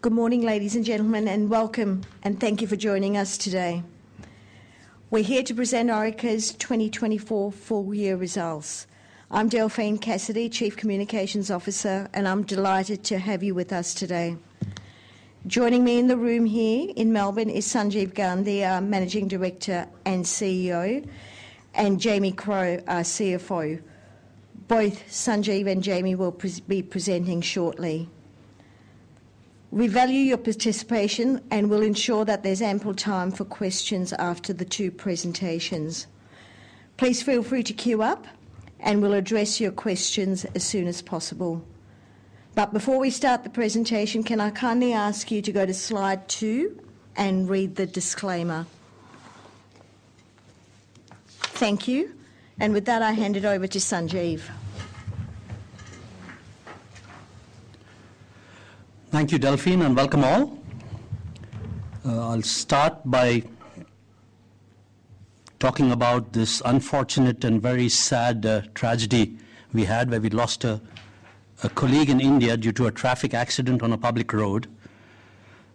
Good morning, ladies and gentlemen, and welcome, and thank you for joining us today. We're here to present Orica's 2024 full-year results. I'm Delphine Cassidy, Chief Communications Officer, and I'm delighted to have you with us today. Joining me in the room here in Melbourne is Sanjeev Gandhi, Managing Director and CEO, and Jamie Crow, CFO. Both Sanjeev and Jamie will be presenting shortly. We value your participation and will ensure that there's ample time for questions after the two presentations. Please feel free to queue up, and we'll address your questions as soon as possible, but before we start the presentation, can I kindly ask you to go to slide two and read the disclaimer? Thank you, and with that, I hand it over to Sanjeev. Thank you, Delphine, and welcome all. I'll start by talking about this unfortunate and very sad tragedy we had, where we lost a colleague in India due to a traffic accident on a public road,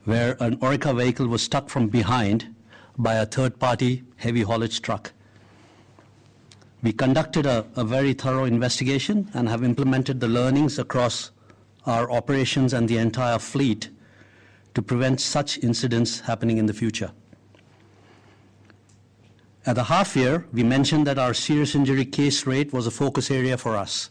where an Orica vehicle was struck from behind by a third-party heavy haulage truck. We conducted a very thorough investigation and have implemented the learnings across our operations and the entire fleet to prevent such incidents happening in the future. At the half-year, we mentioned that our serious injury case rate was a focus area for us.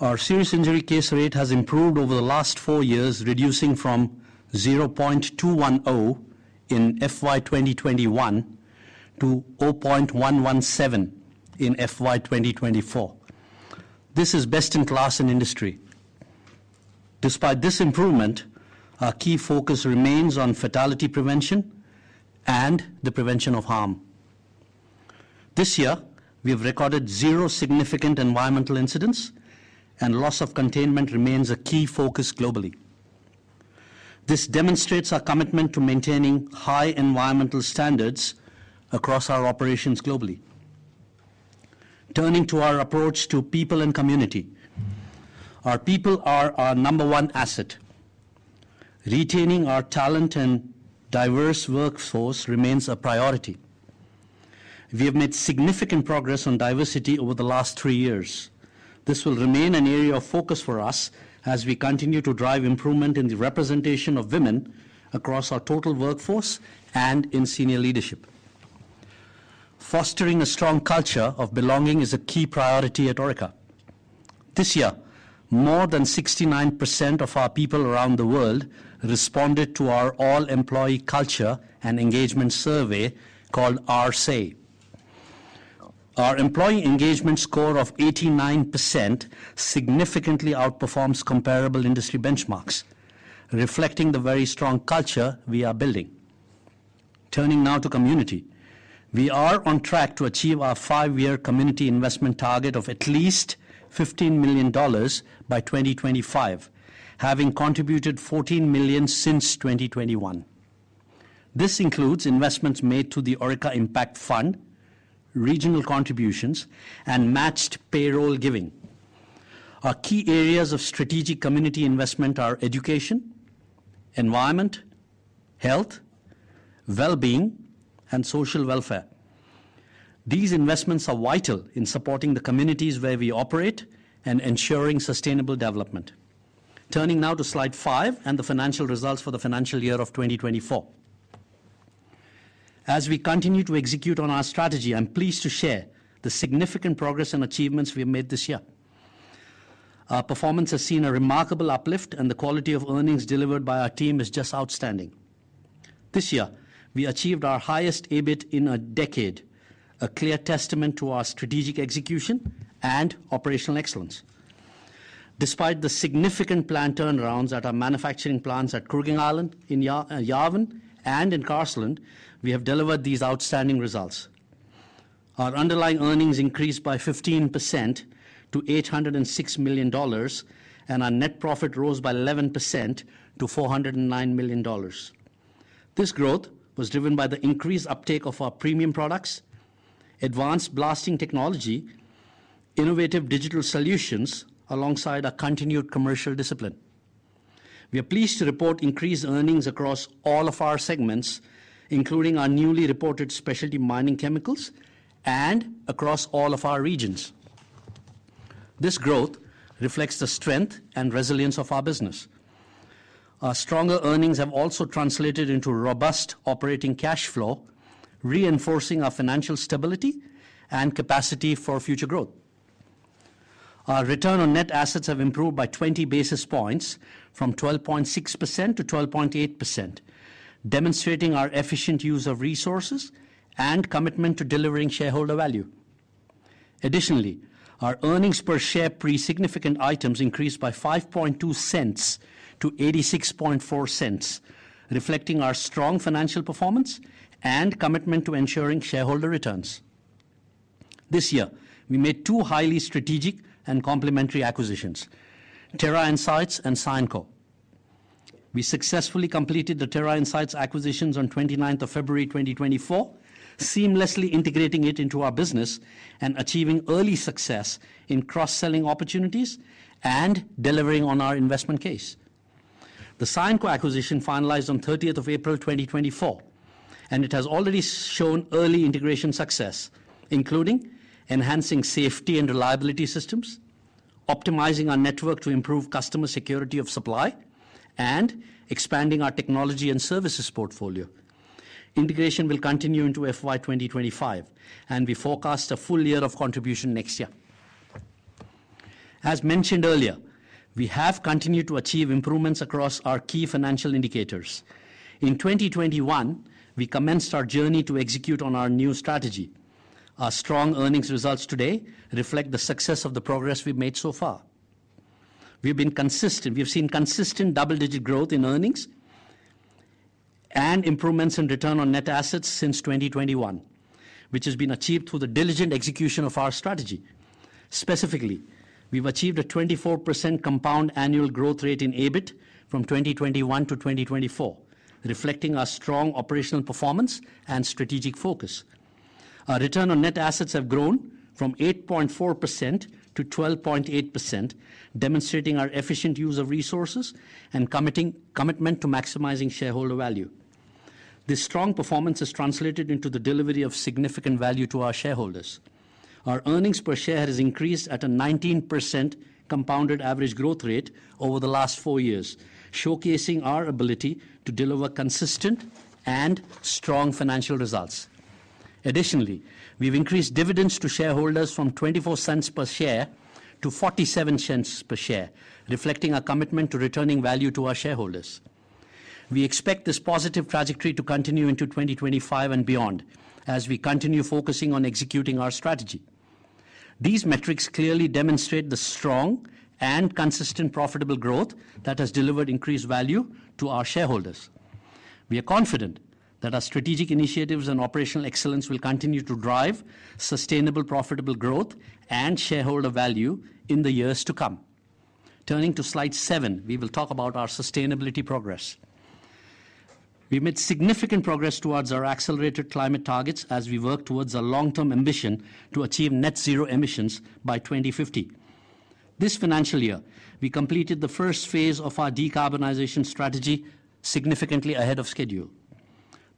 Our serious injury case rate has improved over the last four years, reducing from 0.210 in FY 2021 to 0.117 in FY 2024. This is best in class in industry. Despite this improvement, our key focus remains on fatality prevention and the prevention of harm. This year, we have recorded zero significant environmental incidents, and loss of containment remains a key focus globally. This demonstrates our commitment to maintaining high environmental standards across our operations globally. Turning to our approach to people and community, our people are our number one asset. Retaining our talent and diverse workforce remains a priority. We have made significant progress on diversity over the last three years. This will remain an area of focus for us as we continue to drive improvement in the representation of women across our total workforce and in senior leadership. Fostering a strong culture of belonging is a key priority at Orica. This year, more than 69% of our people around the world responded to our All-Employee Culture and Engagement Survey called RSEI. Our employee engagement score of 89% significantly outperforms comparable industry benchmarks, reflecting the very strong culture we are building. Turning now to community, we are on track to achieve our five-year community investment target of at least 15 million dollars by 2025, having contributed 14 million since 2021. This includes investments made to the Orica Impact Fund, regional contributions, and matched payroll giving. Our key areas of strategic community investment are education, environment, health, well-being, and social welfare. These investments are vital in supporting the communities where we operate and ensuring sustainable development. Turning now to slide five and the financial results for the financial year of 2024. As we continue to execute on our strategy, I'm pleased to share the significant progress and achievements we have made this year. Our performance has seen a remarkable uplift, and the quality of earnings delivered by our team is just outstanding. This year, we achieved our highest EBIT in a decade, a clear testament to our strategic execution and operational excellence. Despite the significant planned turnarounds at our manufacturing plants at Kooragang Island, in Yarwun, and in Carseland, we have delivered these outstanding results. Our underlying earnings increased by 15% to 806 million dollars, and our net profit rose by 11% to 409 million dollars. This growth was driven by the increased uptake of our premium products, advanced blasting technology, innovative digital solutions, alongside our continued commercial discipline. We are pleased to report increased earnings across all of our segments, including our newly reported specialty mining chemicals and across all of our regions. This growth reflects the strength and resilience of our business. Our stronger earnings have also translated into robust operating cash flow, reinforcing our financial stability and capacity for future growth. Our return on net assets has improved by 20 basis points, from 12.6% to 12.8%, demonstrating our efficient use of resources and commitment to delivering shareholder value. Additionally, our earnings per share pre-significant items increased by 0.052 to 0.864, reflecting our strong financial performance and commitment to ensuring shareholder returns. This year, we made two highly strategic and complementary acquisitions: Terra Insights and Cyanco. We successfully completed the Terra Insights acquisitions on February 29, 2024, seamlessly integrating it into our business and achieving early success in cross-selling opportunities and delivering on our investment case. The Cyanco acquisition finalized on April 30, 2024, and it has already shown early integration success, including enhancing safety and reliability systems, optimizing our network to improve customer security of supply, and expanding our technology and services portfolio. Integration will continue into FY 2025, and we forecast a full year of contribution next year. As mentioned earlier, we have continued to achieve improvements across our key financial indicators. In 2021, we commenced our journey to execute on our new strategy. Our strong earnings results today reflect the success of the progress we've made so far. We've been consistent. We've seen consistent double-digit growth in earnings and improvements in return on net assets since 2021, which has been achieved through the diligent execution of our strategy. Specifically, we've achieved a 24% compound annual growth rate in EBIT from 2021 to 2024, reflecting our strong operational performance and strategic focus. Our return on net assets has grown from 8.4% to 12.8%, demonstrating our efficient use of resources and commitment to maximizing shareholder value. This strong performance has translated into the delivery of significant value to our shareholders. Our earnings per share has increased at a 19% compounded average growth rate over the last four years, showcasing our ability to deliver consistent and strong financial results. Additionally, we've increased dividends to shareholders from 0.24 per share to 0.47 per share, reflecting our commitment to returning value to our shareholders. We expect this positive trajectory to continue into 2025 and beyond as we continue focusing on executing our strategy. These metrics clearly demonstrate the strong and consistent profitable growth that has delivered increased value to our shareholders. We are confident that our strategic initiatives and operational excellence will continue to drive sustainable profitable growth and shareholder value in the years to come. Turning to slide seven, we will talk about our sustainability progress. We made significant progress towards our accelerated climate targets as we work towards a long-term ambition to achieve net zero emissions by 2050. This financial year, we completed the first phase of our decarbonization strategy significantly ahead of schedule.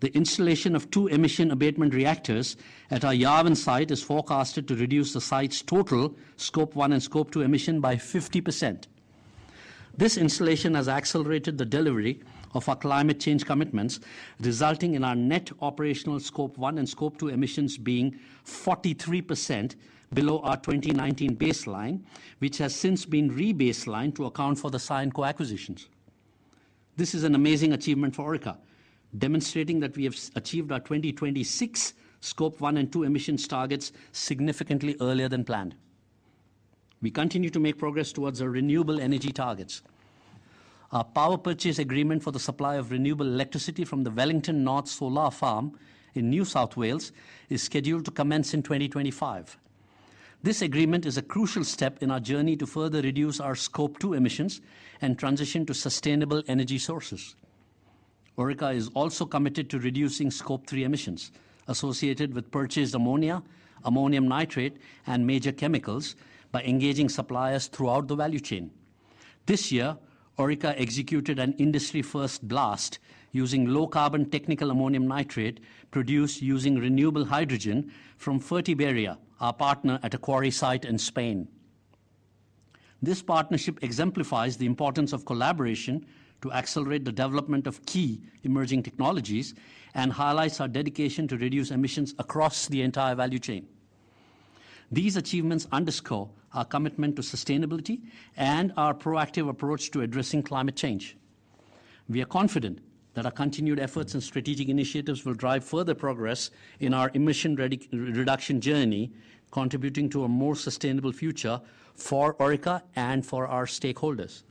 The installation of two emission abatement reactors at our Yarwun site is forecasted to reduce the site's total Scope 1 and Scope 2 emissions by 50%. This installation has accelerated the delivery of our climate change commitments, resulting in our net operational Scope 1 and Scope 2 emissions being 43% below our 2019 baseline, which has since been re-baselined to account for the Cyanco acquisitions. This is an amazing achievement for Orica, demonstrating that we have achieved our 2026 Scope 1 and 2 emissions targets significantly earlier than planned. We continue to make progress towards our renewable energy targets. Our power purchase agreement for the supply of renewable electricity from the Wellington North Solar Farm in New South Wales is scheduled to commence in 2025. This agreement is a crucial step in our journey to further reduce our Scope 2 emissions and transition to sustainable energy sources. Orica is also committed to reducing Scope 3 emissions associated with purchased ammonia, ammonium nitrate, and major chemicals by engaging suppliers throughout the value chain. This year, Orica executed an industry-first blast using low-carbon technical ammonium nitrate produced using renewable hydrogen from Fertiberia, our partner at a quarry site in Spain. This partnership exemplifies the importance of collaboration to accelerate the development of key emerging technologies and highlights our dedication to reduce emissions across the entire value chain. These achievements underscore our commitment to sustainability and our proactive approach to addressing climate change. We are confident that our continued efforts and strategic initiatives will drive further progress in our emission reduction journey, contributing to a more sustainable future for Orica and for our stakeholders.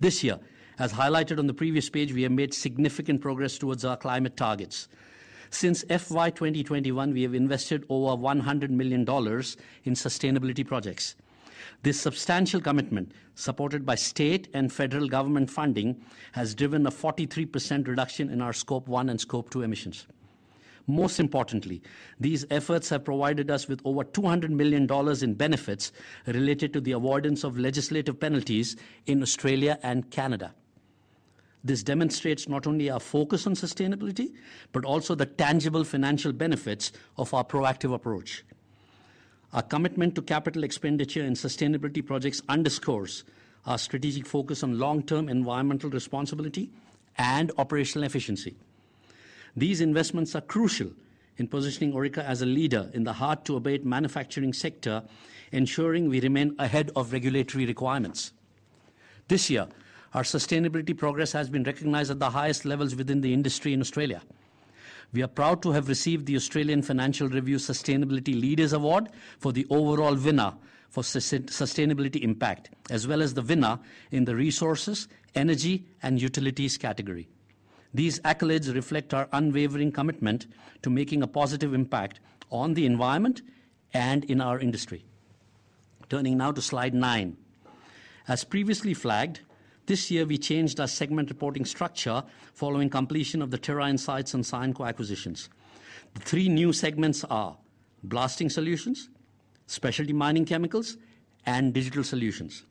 This year, as highlighted on the previous page, we have made significant progress towards our climate targets. Since FY 2021, we have invested over 100 million dollars in sustainability projects. This substantial commitment, supported by state and federal government funding, has driven a 43% reduction in our Scope 1 and Scope 2 emissions. Most importantly, these efforts have provided us with over 200 million dollars in benefits related to the avoidance of legislative penalties in Australia and Canada. This demonstrates not only our focus on sustainability, but also the tangible financial benefits of our proactive approach. Our commitment to capital expenditure in sustainability projects underscores our strategic focus on long-term environmental responsibility and operational efficiency. These investments are crucial in positioning Orica as a leader in the hard-to-abate manufacturing sector, ensuring we remain ahead of regulatory requirements. This year, our sustainability progress has been recognized at the highest levels within the industry in Australia. We are proud to have received the Australian Financial Review Sustainability Leaders Award for the overall winner for sustainability impact, as well as the winner in the resources, energy, and utilities category. These accolades reflect our unwavering commitment to making a positive impact on the environment and in our industry. Turning now to slide nine. As previously flagged, this year, we changed our segment reporting structure following completion of the Terra Insights and Cyanco acquisitions. The three new segments are blasting solutions, specialty mining chemicals, and digital solutions.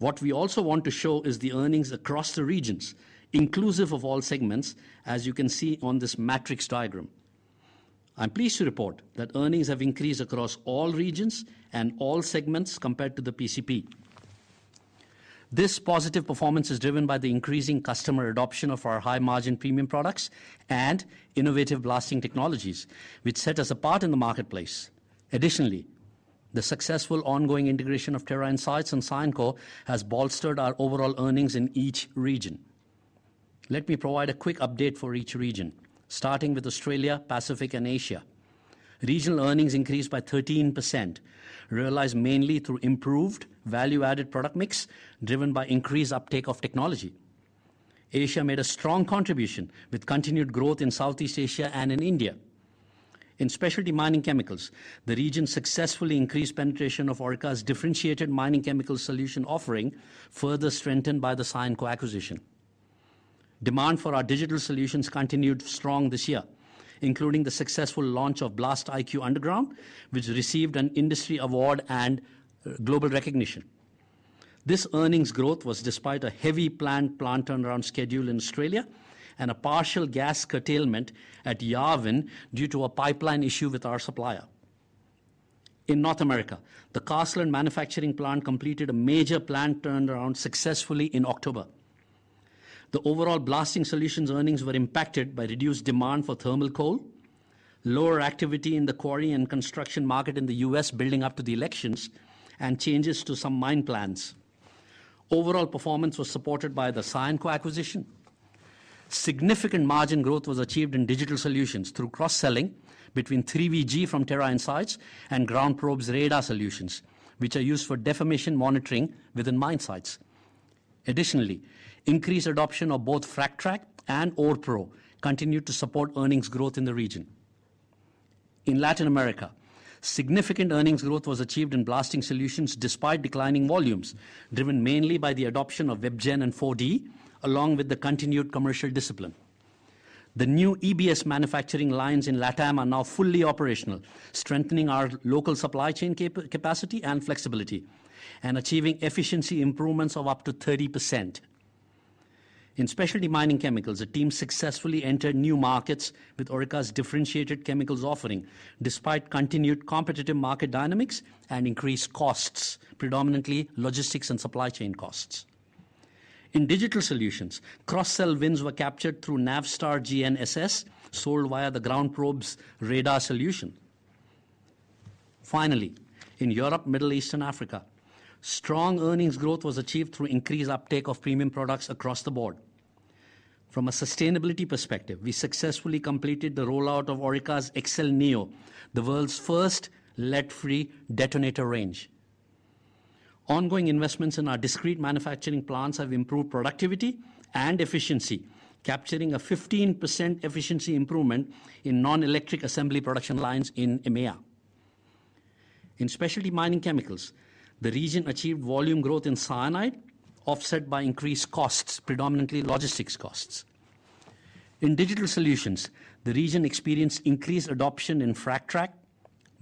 What we also want to show is the earnings across the regions, inclusive of all segments, as you can see on this matrix diagram. I'm pleased to report that earnings have increased across all regions and all segments compared to the PCP. This positive performance is driven by the increasing customer adoption of our high-margin premium products and innovative blasting technologies, which set us apart in the marketplace. Additionally, the successful ongoing integration of Terra Insights and Cyanco has bolstered our overall earnings in each region. Let me provide a quick update for each region, starting with Australia, Pacific, and Asia. Regional earnings increased by 13%, realized mainly through improved value-added product mix driven by increased uptake of technology. Asia made a strong contribution with continued growth in Southeast Asia and in India. In specialty mining chemicals, the region successfully increased penetration of Orica's differentiated mining chemical solution offering, further strengthened by the Cyanco acquisition. Demand for our digital solutions continued strong this year, including the successful launch of BlastIQ Underground, which received an industry award and global recognition. This earnings growth was despite a heavy planned plant turnaround schedule in Australia and a partial gas curtailment at Yarwun due to a pipeline issue with our supplier. In North America, the Carseland manufacturing plant completed a major plant turnaround successfully in October. The overall blasting solutions earnings were impacted by reduced demand for thermal coal, lower activity in the quarry and construction market in the US building up to the elections, and changes to some mine plans. Overall performance was supported by the Cyanco acquisition. Significant margin growth was achieved in digital solutions through cross-selling between 3VG from Terra Insights and GroundProbe's radar solutions, which are used for deformation monitoring within mine sites. Additionally, increased adoption of both FragTrack and OrePro continued to support earnings growth in the region. In Latin America, significant earnings growth was achieved in blasting solutions despite declining volumes, driven mainly by the adoption of WebGen and 4D, along with the continued commercial discipline. The new EBS manufacturing lines in LATAM are now fully operational, strengthening our local supply chain capacity and flexibility, and achieving efficiency improvements of up to 30%. In specialty mining chemicals, the team successfully entered new markets with Orica's differentiated chemicals offering, despite continued competitive market dynamics and increased costs, predominantly logistics and supply chain costs. In digital solutions, cross-sell wins were captured through NavStar GNSS sold via the GroundProbe radar solution. Finally, in Europe, Middle East, and Africa, strong earnings growth was achieved through increased uptake of premium products across the board. From a sustainability perspective, we successfully completed the rollout of Orica's Exel Neo, the world's first lead-free detonator range. Ongoing investments in our discrete manufacturing plants have improved productivity and efficiency, capturing a 15% efficiency improvement in non-electric assembly production lines in EMEA. In specialty mining chemicals, the region achieved volume growth in cyanide, offset by increased costs, predominantly logistics costs. In digital solutions, the region experienced increased adoption in FragTrack,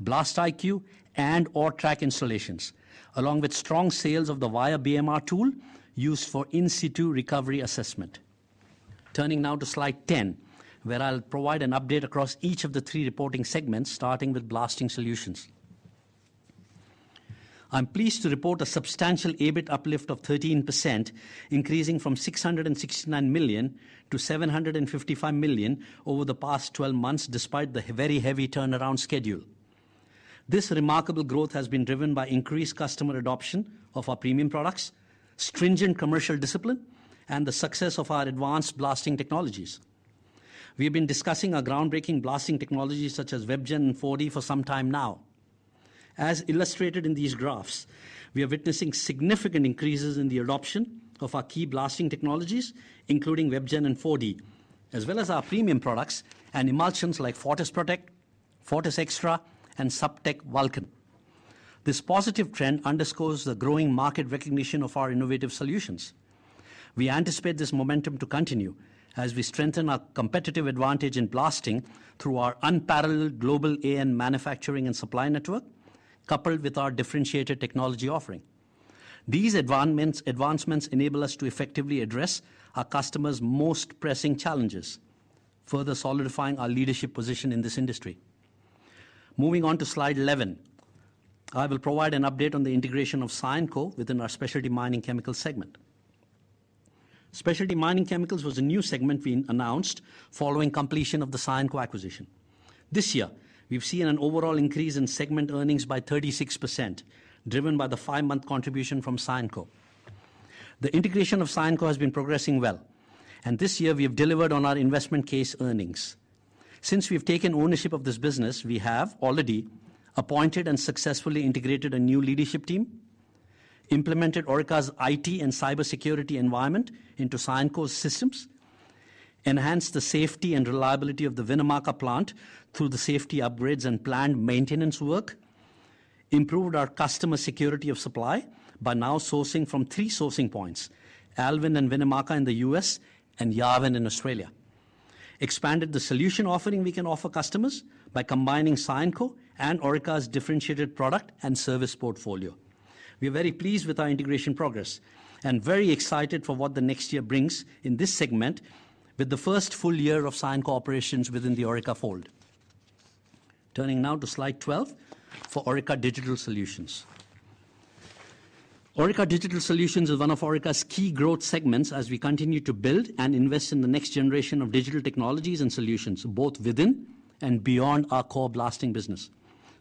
BlastIQ, and OreTrack installations, along with strong sales of the Wire BMR tool used for in-situ recovery assessment. Turning now to slide 10, where I'll provide an update across each of the three reporting segments, starting with blasting solutions. I'm pleased to report a substantial EBIT uplift of 13%, increasing from 669 million to 755 million over the past 12 months, despite the very heavy turnaround schedule. This remarkable growth has been driven by increased customer adoption of our premium products, stringent commercial discipline, and the success of our advanced blasting technologies. We have been discussing our groundbreaking blasting technologies such as WebGen and 4D for some time now. As illustrated in these graphs, we are witnessing significant increases in the adoption of our key blasting technologies, including WebGen and 4D, as well as our premium products and emulsions like Fortis Protect, Fortis Extra, and Subtek Vulcan. This positive trend underscores the growing market recognition of our innovative solutions. We anticipate this momentum to continue as we strengthen our competitive advantage in blasting through our unparalleled global AN manufacturing and supply network, coupled with our differentiated technology offering. These advancements enable us to effectively address our customers' most pressing challenges, further solidifying our leadership position in this industry. Moving on to slide 11, I will provide an update on the integration of Cyanco within our specialty mining chemicals segment. Specialty mining chemicals was a new segment we announced following completion of the Cyanco acquisition. This year, we've seen an overall increase in segment earnings by 36%, driven by the five-month contribution from Cyanco. The integration of Cyanco has been progressing well, and this year, we have delivered on our investment case earnings. Since we've taken ownership of this business, we have already appointed and successfully integrated a new leadership team, implemented Orica's IT and cybersecurity environment into Cyanco's systems, enhanced the safety and reliability of the Winnemucca plant through the safety upgrades and planned maintenance work, improved our customer security of supply by now sourcing from three sourcing points: Alvin and Winnemucca in the U.S. and Yarwun in Australia. Expanded the solution offering we can offer customers by combining Cyanco and Orica's differentiated product and service portfolio. We are very pleased with our integration progress and very excited for what the next year brings in this segment with the first full year of Cyanco operations within the Orica fold. Turning now to slide 12 for Orica Digital Solutions. Orica Digital Solutions is one of Orica's key growth segments as we continue to build and invest in the next generation of digital technologies and solutions, both within and beyond our core blasting business.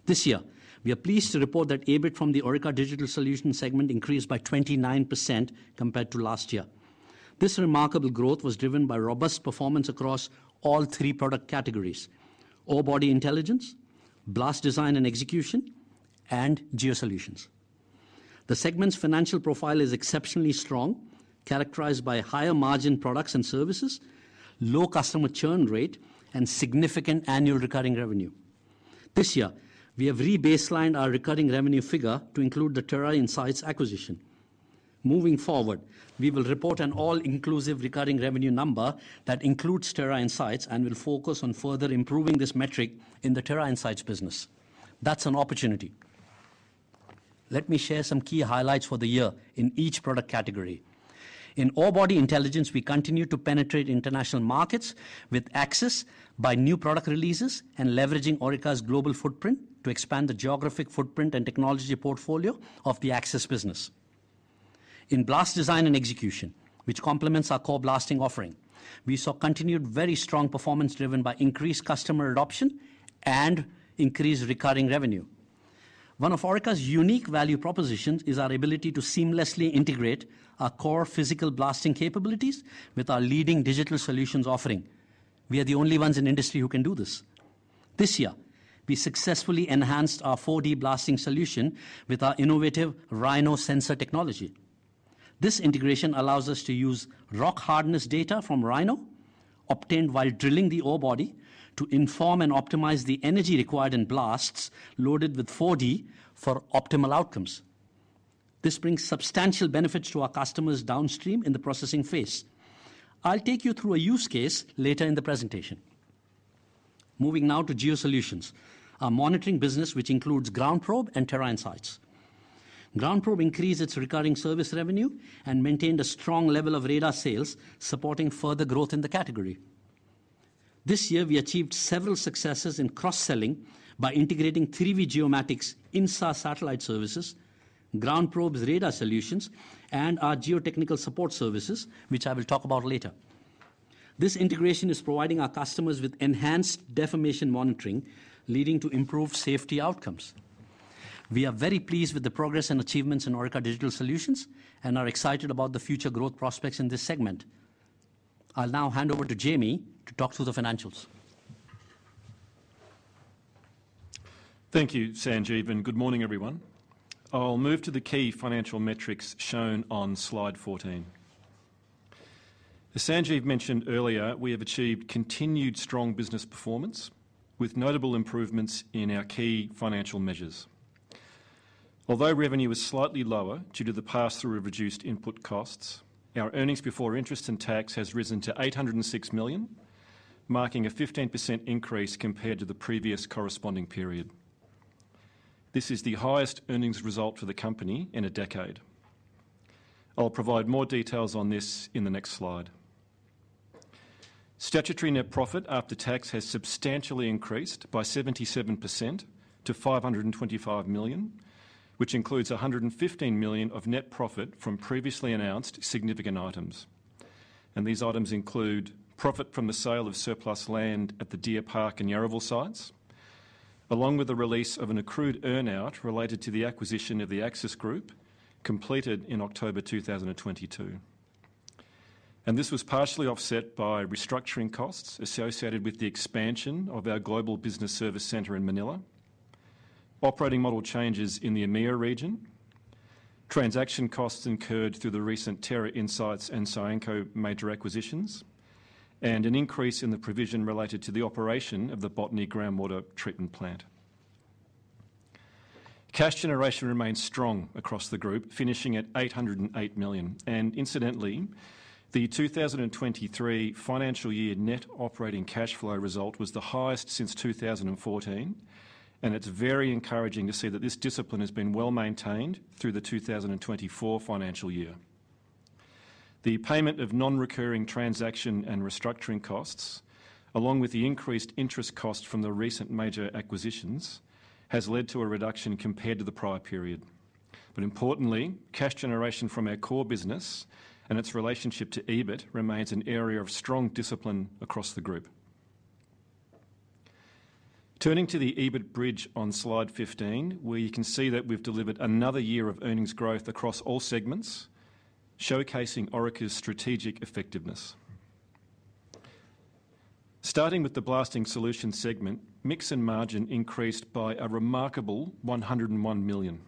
This year, we are pleased to report that EBIT from the Orica Digital Solutions segment increased by 29% compared to last year. This remarkable growth was driven by robust performance across all three product categories: Orebody Intelligence, Blast Design and Execution, and Geo Solutions. The segment's financial profile is exceptionally strong, characterized by higher margin products and services, low customer churn rate, and significant annual recurring revenue. This year, we have re-baselined our recurring revenue figure to include the Terra Insights acquisition. Moving forward, we will report an all-inclusive recurring revenue number that includes Terra Insights and will focus on further improving this metric in the Terra Insights business. That's an opportunity. Let me share some key highlights for the year in each product category. In Orebody Intelligence, we continue to penetrate international markets with AXIS by new product releases and leveraging Orica's global footprint to expand the geographic footprint and technology portfolio of the AXIS business. In Blast Design and Execution, which complements our core blasting offering, we saw continued very strong performance driven by increased customer adoption and increased recurring revenue. One of Orica's unique value propositions is our ability to seamlessly integrate our core physical blasting capabilities with our leading digital solutions offering. We are the only ones in the industry who can do this. This year, we successfully enhanced our 4D blasting solution with our innovative Rhino Sensor technology. This integration allows us to use rock-hardness data from Rhino obtained while drilling the orebody to inform and optimize the energy required in blasts loaded with 4D for optimal outcomes. This brings substantial benefits to our customers downstream in the processing phase. I'll take you through a use case later in the presentation. Moving now to Geo Solutions, our monitoring business, which includes GroundProbe and Terra Insights. GroundProbe increased its recurring service revenue and maintained a strong level of radar sales, supporting further growth in the category. This year, we achieved several successes in cross-selling by integrating 3vGeomatics InSAR satellite services, GroundProbe's radar solutions, and our geotechnical support services, which I will talk about later. This integration is providing our customers with enhanced deformation monitoring, leading to improved safety outcomes. We are very pleased with the progress and achievements in Orica Digital Solutions and are excited about the future growth prospects in this segment. I'll now hand over to Jamie to talk through the financials. Thank you, Sanjeev, and good morning, everyone. I'll move to the key financial metrics shown on slide 14. As Sanjeev mentioned earlier, we have achieved continued strong business performance with notable improvements in our key financial measures. Although revenue was slightly lower due to the pass-through of reduced input costs, our earnings before interest and tax has risen to 806 million, marking a 15% increase compared to the previous corresponding period. This is the highest earnings result for the company in a decade. I'll provide more details on this in the next slide. Statutory net profit after tax has substantially increased by 77% to 525 million, which includes 115 million of net profit from previously announced significant items. These items include profit from the sale of surplus land at the Deer Park and Yarraville sites, along with the release of an accrued earnout related to the acquisition of the AXIS Group completed in October 2022. This was partially offset by restructuring costs associated with the expansion of our global business service center in Manila, operating model changes in the EMEA region, transaction costs incurred through the recent Terra Insights and Cyanco major acquisitions, and an increase in the provision related to the operation of the Botany Groundwater Treatment Plant. Cash generation remains strong across the group, finishing at 808 million. Incidentally, the 2023 financial year net operating cash flow result was the highest since 2014, and it's very encouraging to see that this discipline has been well maintained through the 2024 financial year. The payment of non-recurring transaction and restructuring costs, along with the increased interest costs from the recent major acquisitions, has led to a reduction compared to the prior period. But importantly, cash generation from our core business and its relationship to EBIT remains an area of strong discipline across the group. Turning to the EBIT bridge on slide 15, we can see that we've delivered another year of earnings growth across all segments, showcasing Orica's strategic effectiveness. Starting with the blasting solution segment, mix and margin increased by a remarkable 101 million.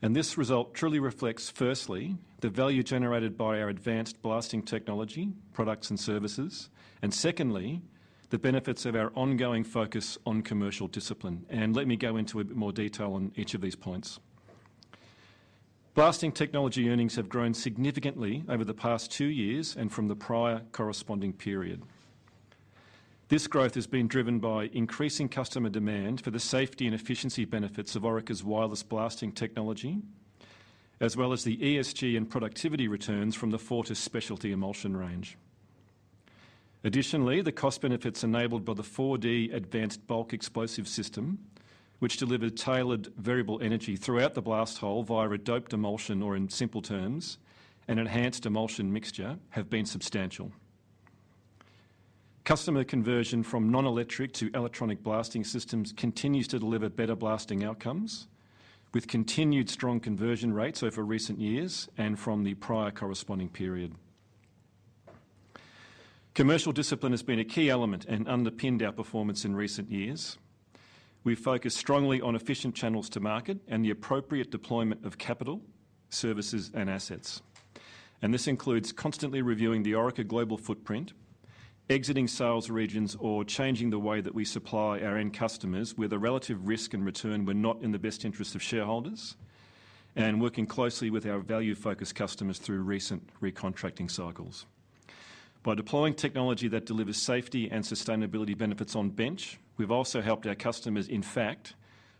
This result truly reflects, firstly, the value generated by our advanced blasting technology, products, and services, and secondly, the benefits of our ongoing focus on commercial discipline. Let me go into a bit more detail on each of these points. Blasting technology earnings have grown significantly over the past two years and from the prior corresponding period. This growth has been driven by increasing customer demand for the safety and efficiency benefits of Orica's wireless blasting technology, as well as the ESG and productivity returns from the Fortis specialty emulsion range. Additionally, the cost benefits enabled by the 4D advanced bulk explosive system, which delivers tailored variable energy throughout the blast hole via a doped emulsion or, in simple terms, an enhanced emulsion mixture, have been substantial. Customer conversion from non-electric to electronic blasting systems continues to deliver better blasting outcomes, with continued strong conversion rates over recent years and from the prior corresponding period. Commercial discipline has been a key element and underpinned our performance in recent years. We've focused strongly on efficient channels to market and the appropriate deployment of capital, services, and assets, and this includes constantly reviewing the Orica global footprint, exiting sales regions, or changing the way that we supply our end customers with a relative risk and return when not in the best interest of shareholders, and working closely with our value-focused customers through recent recontracting cycles. By deploying technology that delivers safety and sustainability benefits on bench, we've also helped our customers, in fact,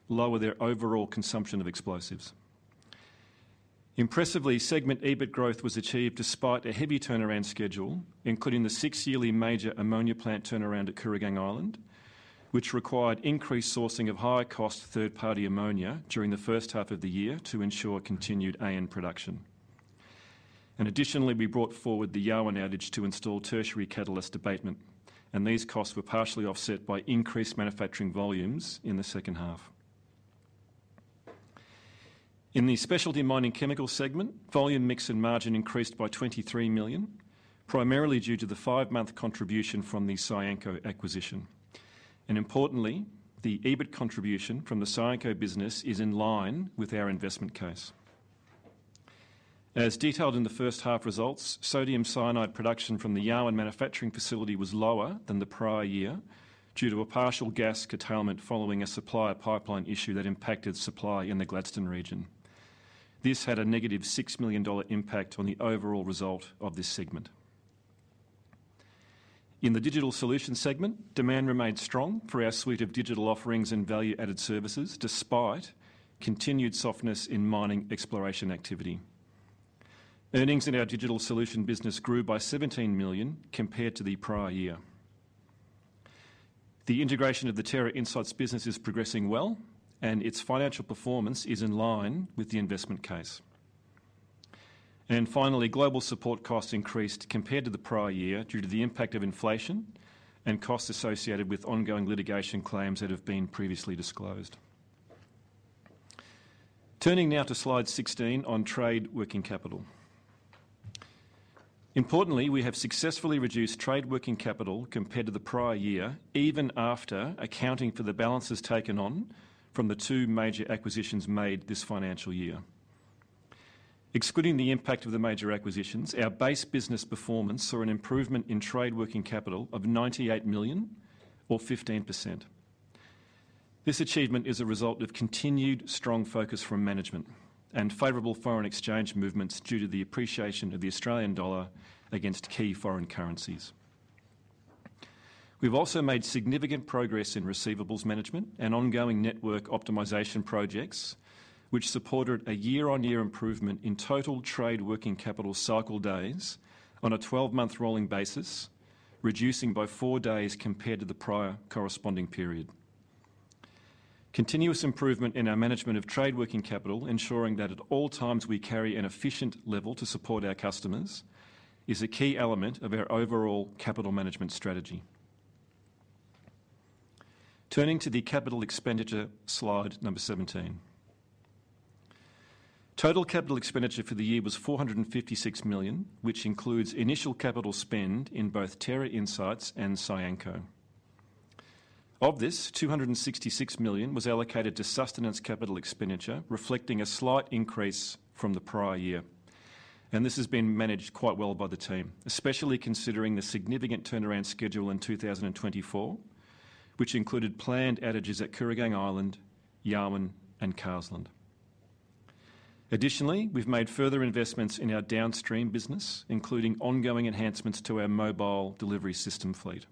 lower their overall consumption of explosives. Impressively, segment EBIT growth was achieved despite a heavy turnaround schedule, including the six-yearly major ammonia plant turnaround at Kooragang Island, which required increased sourcing of high-cost third-party ammonia during the first half of the year to ensure continued AN production. Additionally, we brought forward the Yarwun outage to install Tertiary Catalyst Abatement, and these costs were partially offset by increased manufacturing volumes in the second half. In the specialty mining chemicals segment, volume mix and margin increased by 23 million, primarily due to the five-month contribution from the Cyanco acquisition. Importantly, the EBIT contribution from the Cyanco business is in line with our investment case. As detailed in the first half results, sodium cyanide production from the Yarwun manufacturing facility was lower than the prior year due to a partial gas curtailment following a supplier pipeline issue that impacted supply in the Gladstone region. This had a negative 6 million dollar impact on the overall result of this segment. In the digital solution segment, demand remained strong for our suite of digital offerings and value-added services despite continued softness in mining exploration activity. Earnings in our digital solution business grew by 17 million compared to the prior year. The integration of the Terra Insights business is progressing well, and its financial performance is in line with the investment case. And finally, global support costs increased compared to the prior year due to the impact of inflation and costs associated with ongoing litigation claims that have been previously disclosed. Turning now to slide 16 on trade working capital. Importantly, we have successfully reduced trade working capital compared to the prior year, even after accounting for the balances taken on from the two major acquisitions made this financial year. Excluding the impact of the major acquisitions, our base business performance saw an improvement in trade working capital of 98 million, or 15%. This achievement is a result of continued strong focus from management and favorable foreign exchange movements due to the appreciation of the Australian dollar against key foreign currencies. We've also made significant progress in receivables management and ongoing network optimization projects, which supported a year-on-year improvement in total trade working capital cycle days on a 12-month rolling basis, reducing by four days compared to the prior corresponding period. Continuous improvement in our management of trade working capital, ensuring that at all times we carry an efficient level to support our customers, is a key element of our overall capital management strategy. Turning to the CapEx slide number 17. Total capital expenditure for the year was 456 million, which includes initial capital spend in both Terra Insights and Cyanco. Of this, 266 million was allocated to sustenance capital expenditure, reflecting a slight increase from the prior year. This has been managed quite well by the team, especially considering the significant turnaround schedule in 2024, which included planned outages at Kooragang Island, Yarwun, and Carseland. Additionally, we've made further investments in our downstream business, including ongoing enhancements to our mobile delivery system fleet.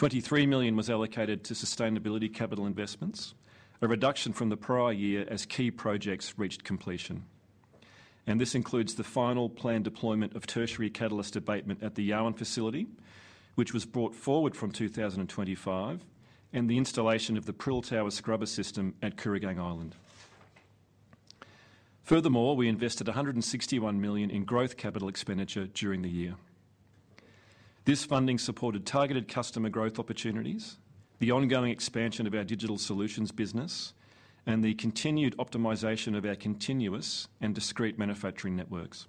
23 million was allocated to sustainability capital investments, a reduction from the prior year as key projects reached completion. This includes the final planned deployment of tertiary catalyst abatement at the Yarwun facility, which was brought forward from 2025, and the installation of the Prill Tower scrubber system at Kooragang Island. Furthermore, we invested 161 million in growth capital expenditure during the year. This funding supported targeted customer growth opportunities, the ongoing expansion of our digital solutions business, and the continued optimization of our continuous and discrete manufacturing networks.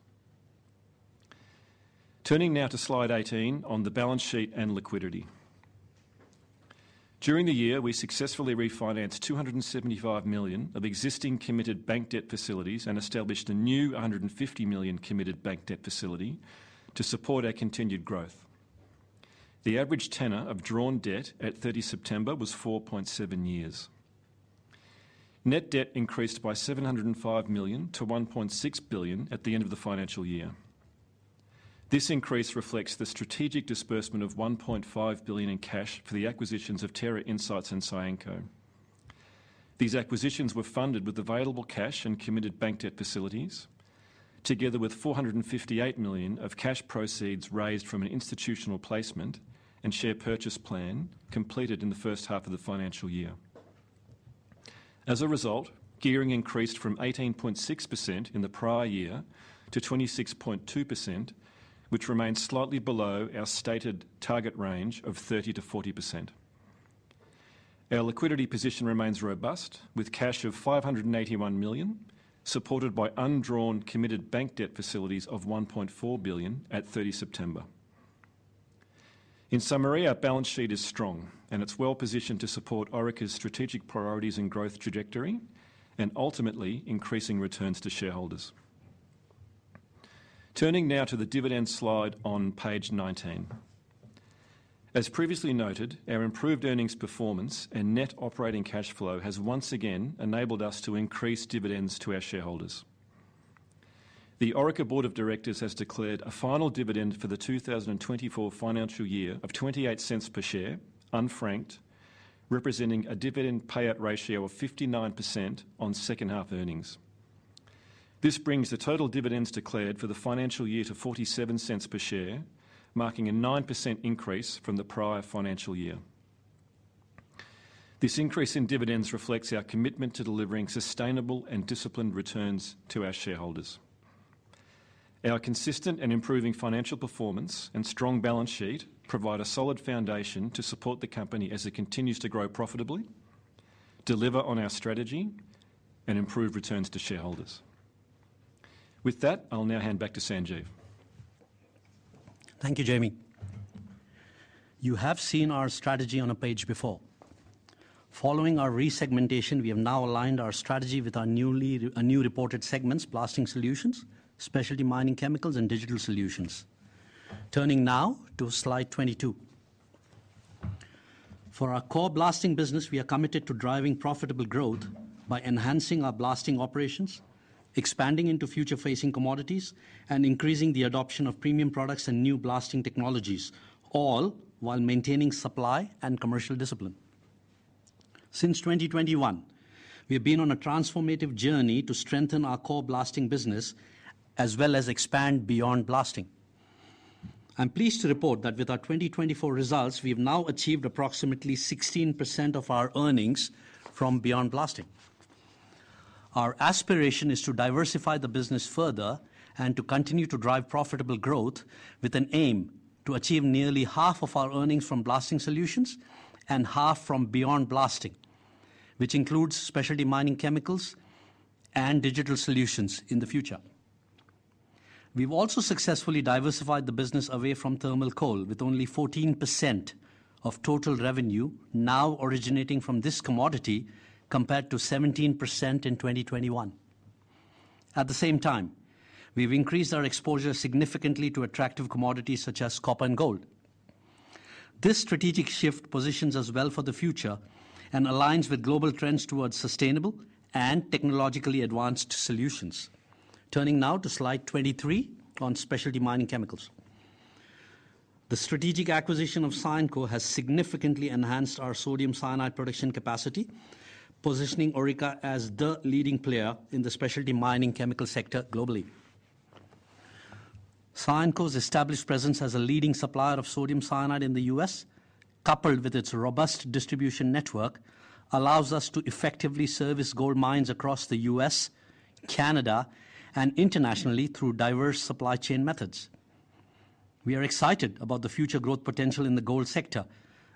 Turning now to slide 18 on the balance sheet and liquidity. During the year, we successfully refinanced 275 million of existing committed bank debt facilities and established a new 150 million committed bank debt facility to support our continued growth. The average tenor of drawn debt at 30 September was 4.7 years. Net debt increased by 705 million to 1.6 billion at the end of the financial year. This increase reflects the strategic disbursement of 1.5 billion in cash for the acquisitions of Terra Insights and Cyanco. These acquisitions were funded with available cash and committed bank debt facilities, together with 458 million of cash proceeds raised from an institutional placement and share purchase plan completed in the first half of the financial year. As a result, gearing increased from 18.6% in the prior year to 26.2%, which remains slightly below our stated target range of 30%-40%. Our liquidity position remains robust, with cash of 581 million supported by undrawn committed bank debt facilities of 1.4 billion at 30 September. In summary, our balance sheet is strong, and it's well positioned to support Orica's strategic priorities and growth trajectory, and ultimately increasing returns to shareholders. Turning now to the dividend slide on page 19. As previously noted, our improved earnings performance and net operating cash flow has once again enabled us to increase dividends to our shareholders. The Orica Board of Directors has declared a final dividend for the 2024 financial year of 0.28 per share, unfranked, representing a dividend payout ratio of 59% on second-half earnings. This brings the total dividends declared for the financial year to 0.47 per share, marking a 9% increase from the prior financial year. This increase in dividends reflects our commitment to delivering sustainable and disciplined returns to our shareholders. Our consistent and improving financial performance and strong balance sheet provide a solid foundation to support the company as it continues to grow profitably, deliver on our strategy, and improve returns to shareholders. With that, I'll now hand back to Sanjeev. Thank you, Jamie. You have seen our strategy on a page before. Following our resegmentation, we have now aligned our strategy with our newly reported segments: blasting solutions, specialty mining chemicals, and digital solutions. Turning now to slide 22. For our core blasting business, we are committed to driving profitable growth by enhancing our blasting operations, expanding into future-facing commodities, and increasing the adoption of premium products and new blasting technologies, all while maintaining supply and commercial discipline. Since 2021, we have been on a transformative journey to strengthen our core blasting business as well as expand beyond blasting. I'm pleased to report that with our 2024 results, we have now achieved approximately 16% of our earnings from beyond blasting. Our aspiration is to diversify the business further and to continue to drive profitable growth with an aim to achieve nearly half of our earnings from blasting solutions and half from beyond blasting, which includes specialty mining chemicals and digital solutions in the future. We've also successfully diversified the business away from thermal coal with only 14% of total revenue now originating from this commodity compared to 17% in 2021. At the same time, we've increased our exposure significantly to attractive commodities such as copper and gold. This strategic shift positions us well for the future and aligns with global trends towards sustainable and technologically advanced solutions. Turning now to slide 23 on specialty mining chemicals. The strategic acquisition of Cyanco has significantly enhanced our sodium cyanide production capacity, positioning Orica as the leading player in the specialty mining chemical sector globally. Cyanco's established presence as a leading supplier of sodium cyanide in the U.S., coupled with its robust distribution network, allows us to effectively service gold mines across the U.S., Canada, and internationally through diverse supply chain methods. We are excited about the future growth potential in the gold sector,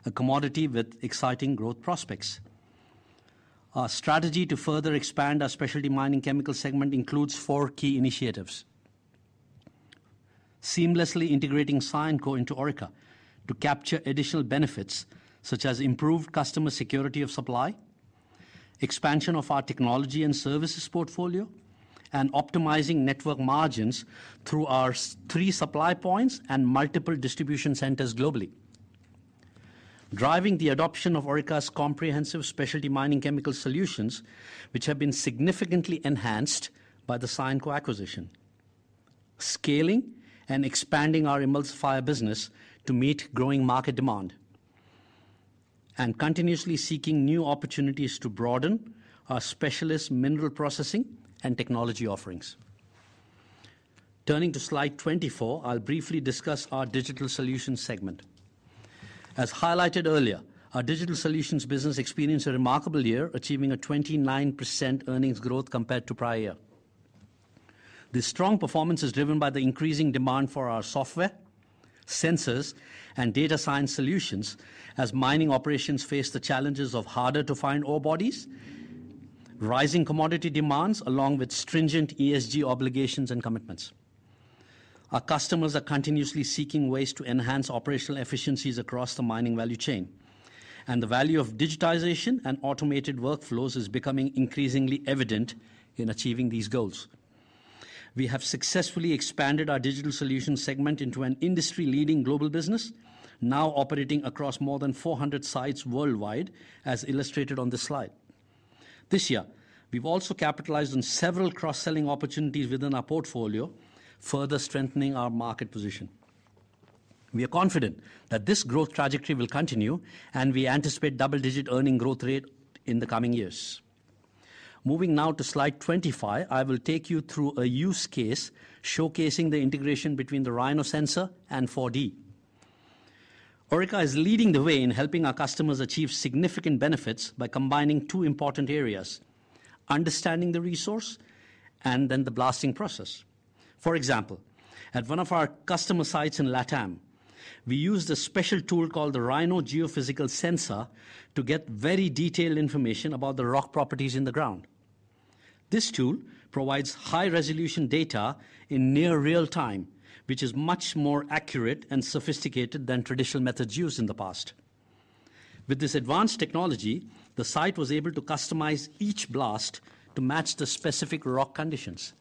a commodity with exciting growth prospects. Our strategy to further expand our specialty mining chemicals segment includes four key initiatives: seamlessly integrating Cyanco into Orica to capture additional benefits such as improved customer security of supply, expansion of our technology and services portfolio, and optimizing network margins through our three supply points and multiple distribution centers globally; driving the adoption of Orica's comprehensive specialty mining chemicals solutions, which have been significantly enhanced by the Cyanco acquisition; scaling and expanding our emulsifier business to meet growing market demand; and continuously seeking new opportunities to broaden our specialist mineral processing and technology offerings. Turning to slide 24, I'll briefly discuss our digital solutions segment. As highlighted earlier, our digital solutions business experienced a remarkable year, achieving a 29% earnings growth compared to prior year. This strong performance is driven by the increasing demand for our software, sensors, and data science solutions as mining operations face the challenges of harder-to-find ore bodies, rising commodity demands, along with stringent ESG obligations and commitments. Our customers are continuously seeking ways to enhance operational efficiencies across the mining value chain, and the value of digitization and automated workflows is becoming increasingly evident in achieving these goals. We have successfully expanded our digital solutions segment into an industry-leading global business, now operating across more than 400 sites worldwide, as illustrated on this slide. This year, we've also capitalized on several cross-selling opportunities within our portfolio, further strengthening our market position. We are confident that this growth trajectory will continue, and we anticipate double-digit earnings growth rate in the coming years. Moving now to slide 25, I will take you through a use case showcasing the integration between the Rhino Geophysical Sensor and 4D. Orica is leading the way in helping our customers achieve significant benefits by combining two important areas: understanding the resource and then the blasting process. For example, at one of our customer sites in LATAM, we used a special tool called the Rhino Geophysical Sensor to get very detailed information about the rock properties in the ground. This tool provides high-resolution data in near real time, which is much more accurate and sophisticated than traditional methods used in the past. With this advanced technology, the site was able to customize each blast to match the specific rock conditions.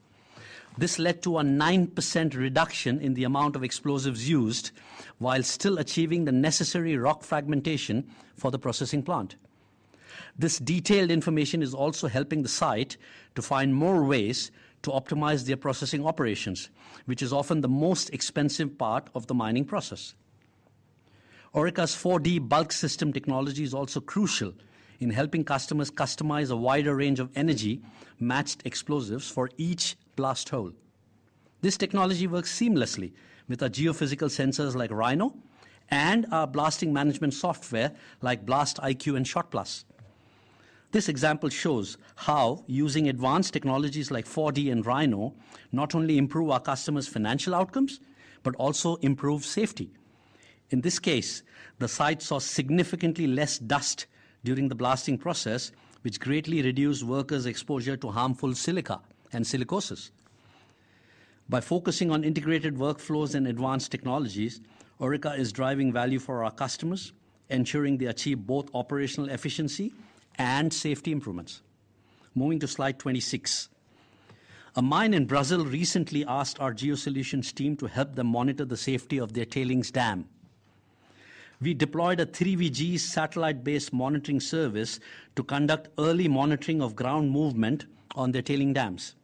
This led to a 9% reduction in the amount of explosives used while still achieving the necessary rock fragmentation for the processing plant. This detailed information is also helping the site to find more ways to optimize their processing operations, which is often the most expensive part of the mining process. Orica's 4D bulk system technology is also crucial in helping customers customize a wider range of energy-matched explosives for each blast hole. This technology works seamlessly with our geophysical sensors like Rhino and our blasting management software like BlastIQ and ShotPlus. This example shows how using advanced technologies like 4D and Rhino not only improve our customers' financial outcomes but also improve safety. In this case, the site saw significantly less dust during the blasting process, which greatly reduced workers' exposure to harmful silica and silicosis. By focusing on integrated workflows and advanced technologies, Orica is driving value for our customers, ensuring they achieve both operational efficiency and safety improvements. Moving to slide 26. A mine in Brazil recently asked our geosolutions team to help them monitor the safety of their tailings dam. We deployed a 3vGeomatics satellite-based monitoring service to conduct early monitoring of ground movement on their tailings dams.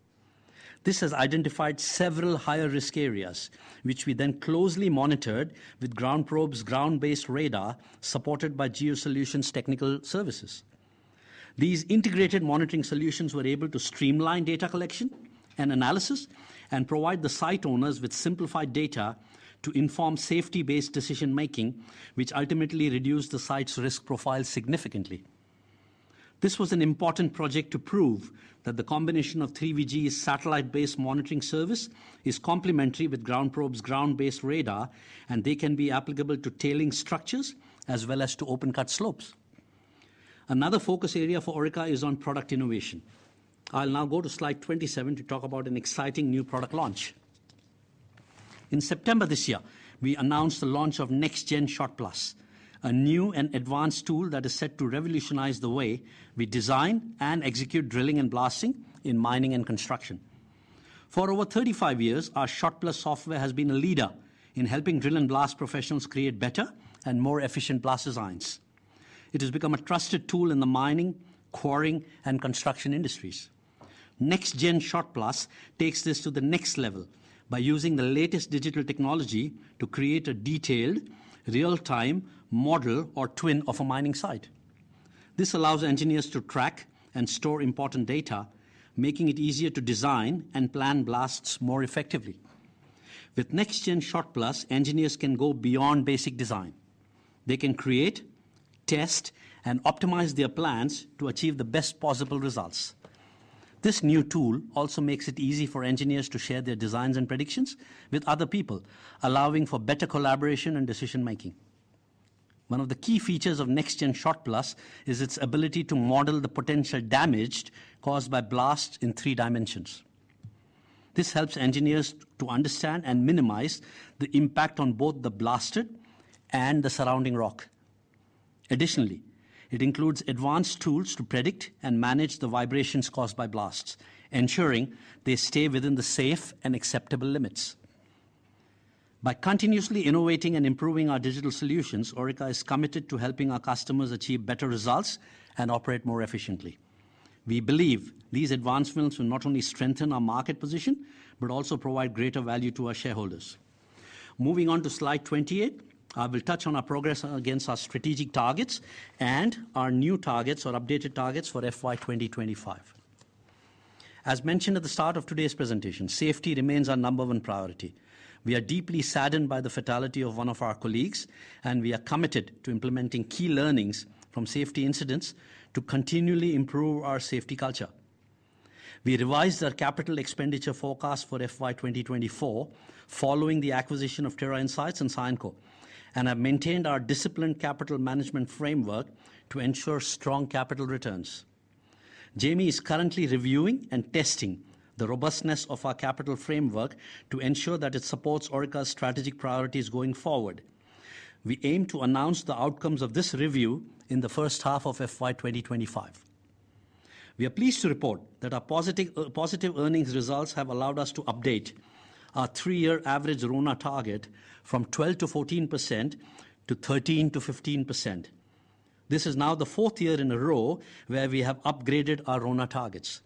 This has identified several higher-risk areas, which we then closely monitored with GroundProbe's ground-based radar supported by geosolutions technical services. These integrated monitoring solutions were able to streamline data collection and analysis and provide the site owners with simplified data to inform safety-based decision-making, which ultimately reduced the site's risk profile significantly. This was an important project to prove that the combination of 3vGeomatics satellite-based monitoring service is complementary with GroundProbe's ground-based radar, and they can be applicable to tailing structures as well as to open-cut slopes. Another focus area for Orica is on product innovation. I'll now go to slide 27 to talk about an exciting new product launch. In September this year, we announced the launch of NextGen ShotPlus, a new and advanced tool that is set to revolutionize the way we design and execute drilling and blasting in mining and construction. For over 35 years, our ShotPlus software has been a leader in helping drill and blast professionals create better and more efficient blast designs. It has become a trusted tool in the mining, quarrying, and construction industries. NextGen ShotPlus takes this to the next level by using the latest digital technology to create a detailed, real-time model or twin of a mining site. This allows engineers to track and store important data, making it easier to design and plan blasts more effectively. With NextGen ShotPlus, engineers can go beyond basic design. They can create, test, and optimize their plans to achieve the best possible results. This new tool also makes it easy for engineers to share their designs and predictions with other people, allowing for better collaboration and decision-making. One of the key features of NextGen ShotPlus is its ability to model the potential damage caused by blasts in three dimensions. This helps engineers to understand and minimize the impact on both the blasted and the surrounding rock. Additionally, it includes advanced tools to predict and manage the vibrations caused by blasts, ensuring they stay within the safe and acceptable limits. By continuously innovating and improving our digital solutions, Orica is committed to helping our customers achieve better results and operate more efficiently. We believe these advancements will not only strengthen our market position but also provide greater value to our shareholders. Moving on to slide 28, I will touch on our progress against our strategic targets and our new targets or updated targets for FY 2025. As mentioned at the start of today's presentation, safety remains our number one priority. We are deeply saddened by the fatality of one of our colleagues, and we are committed to implementing key learnings from safety incidents to continually improve our safety culture. We revised our capital expenditure forecast for FY 2024 following the acquisition of Terra Insights and Cyanco, and have maintained our disciplined capital management framework to ensure strong capital returns. Jamie is currently reviewing and testing the robustness of our capital framework to ensure that it supports Orica's strategic priorities going forward. We aim to announce the outcomes of this review in the first half of FY 2025. We are pleased to report that our positive earnings results have allowed us to update our three-year average RONA target from 12% to 14% to 13% to 15%. This is now the fourth year in a row where we have upgraded our RONA targets.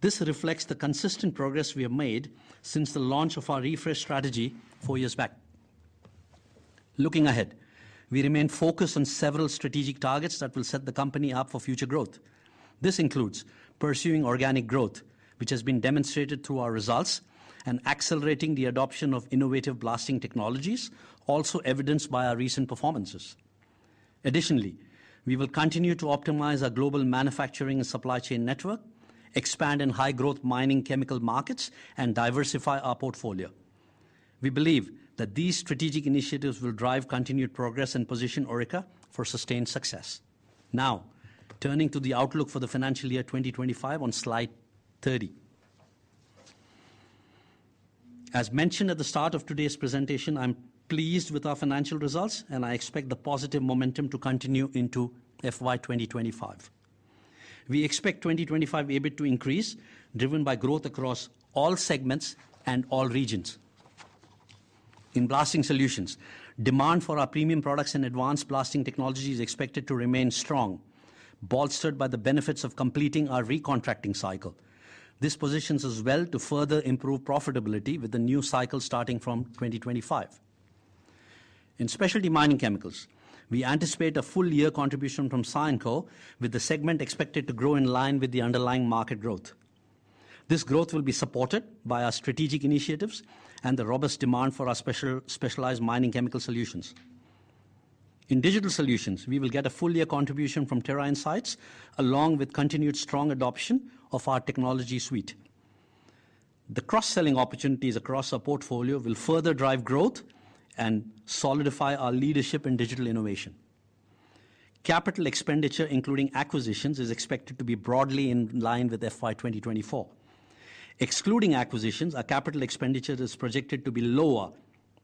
This reflects the consistent progress we have made since the launch of our refresh strategy four years back. Looking ahead, we remain focused on several strategic targets that will set the company up for future growth. This includes pursuing organic growth, which has been demonstrated through our results, and accelerating the adoption of innovative blasting technologies, also evidenced by our recent performances. Additionally, we will continue to optimize our global manufacturing and supply chain network, expand in high-growth mining chemical markets, and diversify our portfolio. We believe that these strategic initiatives will drive continued progress and position Orica for sustained success. Now, turning to the outlook for the financial year 2025 on slide 30. As mentioned at the start of today's presentation, I'm pleased with our financial results, and I expect the positive momentum to continue into FY 2025. We expect 2025 EBIT to increase, driven by growth across all segments and all regions. In blasting solutions, demand for our premium products and advanced blasting technologies is expected to remain strong, bolstered by the benefits of completing our recontracting cycle. This positions us well to further improve profitability with the new cycle starting from 2025. In specialty mining chemicals, we anticipate a full-year contribution from Cyanco, with the segment expected to grow in line with the underlying market growth. This growth will be supported by our strategic initiatives and the robust demand for our specialized mining chemical solutions. In digital solutions, we will get a full-year contribution from Terra Insights, along with continued strong adoption of our technology suite. The cross-selling opportunities across our portfolio will further drive growth and solidify our leadership in digital innovation. Capital expenditure, including acquisitions, is expected to be broadly in line with FY 2024. Excluding acquisitions, our capital expenditure is projected to be lower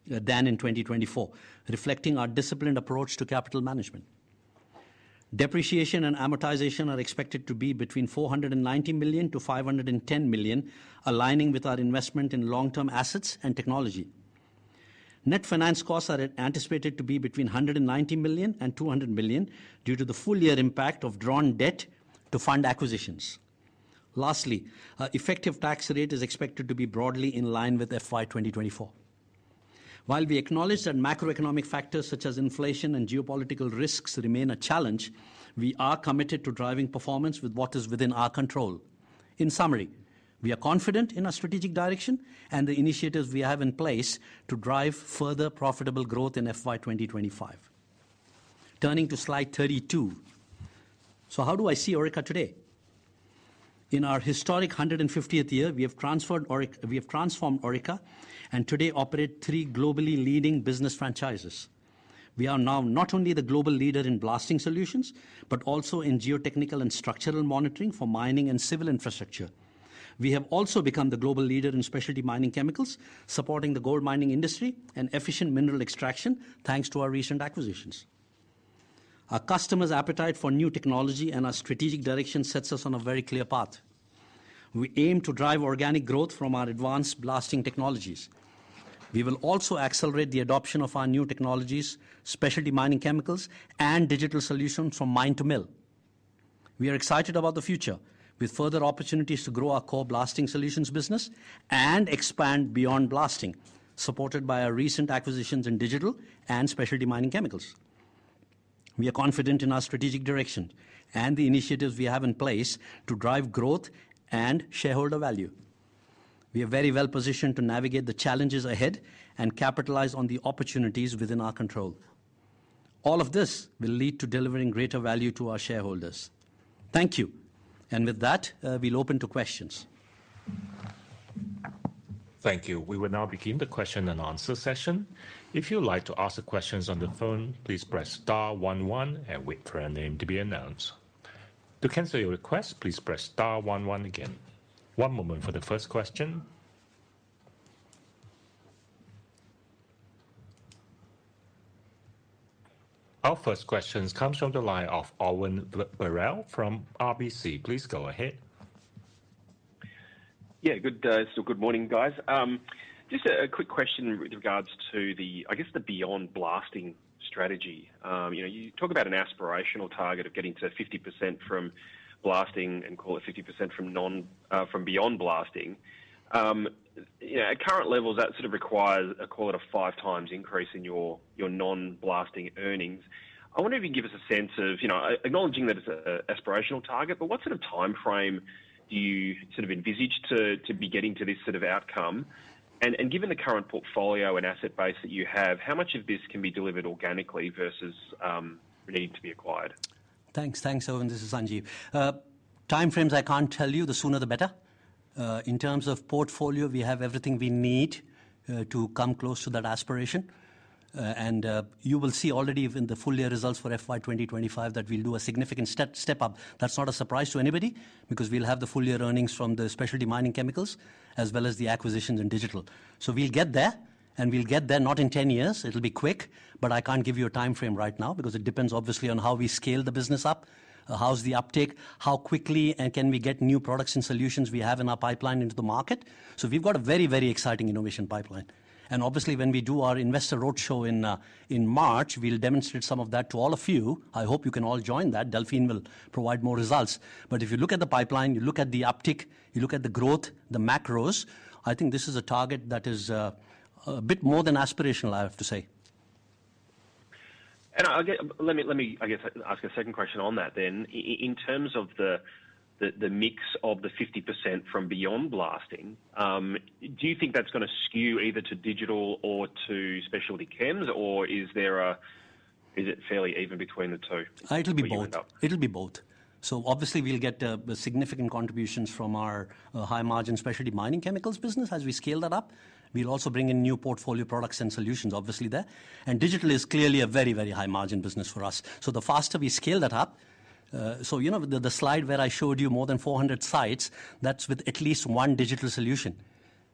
than in 2024, reflecting our disciplined approach to capital management. Depreciation and amortization are expected to be between 490 million-510 million, aligning with our investment in long-term assets and technology. Net finance costs are anticipated to be between 190 million and 200 million due to the full-year impact of drawn debt to fund acquisitions. Lastly, our effective tax rate is expected to be broadly in line with FY 2024. While we acknowledge that macroeconomic factors such as inflation and geopolitical risks remain a challenge, we are committed to driving performance with what is within our control. In summary, we are confident in our strategic direction and the initiatives we have in place to drive further profitable growth in FY 2025. Turning to slide 32. So how do I see Orica today? In our historic 150th year, we have transformed Orica and today operate three globally leading business franchises. We are now not only the global leader in blasting solutions, but also in geotechnical and structural monitoring for mining and civil infrastructure. We have also become the global leader in specialty mining chemicals, supporting the gold mining industry and efficient mineral extraction thanks to our recent acquisitions. Our customers' appetite for new technology and our strategic direction sets us on a very clear path. We aim to drive organic growth from our advanced blasting technologies. We will also accelerate the adoption of our new technologies, specialty mining chemicals, and digital solutions from mine to mill. We are excited about the future with further opportunities to grow our core blasting solutions business and expand beyond blasting, supported by our recent acquisitions in digital and specialty mining chemicals. We are confident in our strategic direction and the initiatives we have in place to drive growth and shareholder value. We are very well positioned to navigate the challenges ahead and capitalize on the opportunities within our control. All of this will lead to delivering greater value to our shareholders. Thank you. And with that, we'll open to questions. Thank you. We will now begin the question and answer session. If you would like to ask questions on the phone, please press *11 and wait for your name to be announced. To cancel your request, please press *11 again. One moment for the first question. Our first question comes from the line of Owen Birrell from RBC. Please go ahead. Yeah, good. So good morning, guys. Just a quick question with regards to the, I guess, the beyond blasting strategy. You talk about an aspirational target of getting to 50% from blasting and call it 50% from beyond blasting. At current levels, that sort of requires, I call it a five-times increase in your non-blasting earnings. I wonder if you can give us a sense of, acknowledging that it's an aspirational target, but what sort of time frame do you sort of envisage to be getting to this sort of outcome? And given the current portfolio and asset base that you have, how much of this can be delivered organically versus needing to be acquired? Thanks. Thanks, Owen. This is Sanjeev. Time frames, I can't tell you. The sooner, the better. In terms of portfolio, we have everything we need to come close to that aspiration. And you will see already in the full-year results for FY 2025 that we'll do a significant step up. That's not a surprise to anybody because we'll have the full-year earnings from the specialty mining chemicals as well as the acquisitions in digital. So we'll get there, and we'll get there not in 10 years. It'll be quick, but I can't give you a time frame right now because it depends obviously on how we scale the business up, how's the uptake, how quickly and can we get new products and solutions we have in our pipeline into the market. So we've got a very, very exciting innovation pipeline. And obviously, when we do our investor roadshow in March, we'll demonstrate some of that to all of you. I hope you can all join that. Delphine will provide more results. But if you look at the pipeline, you look at the uptick, you look at the growth, the macros, I think this is a target that is a bit more than aspirational, I have to say. And let me, I guess, ask a second question on that then. In terms of the mix of the 50% from beyond blasting, do you think that's going to skew either to digital or to specialty chems, or is it fairly even between the two? It'll be both. It'll be both. So obviously, we'll get significant contributions from our high-margin specialty mining chemicals business as we scale that up. We'll also bring in new portfolio products and solutions, obviously, there. And digital is clearly a very, very high-margin business for us. So the faster we scale that up, so the slide where I showed you more than 400 sites, that's with at least one digital solution.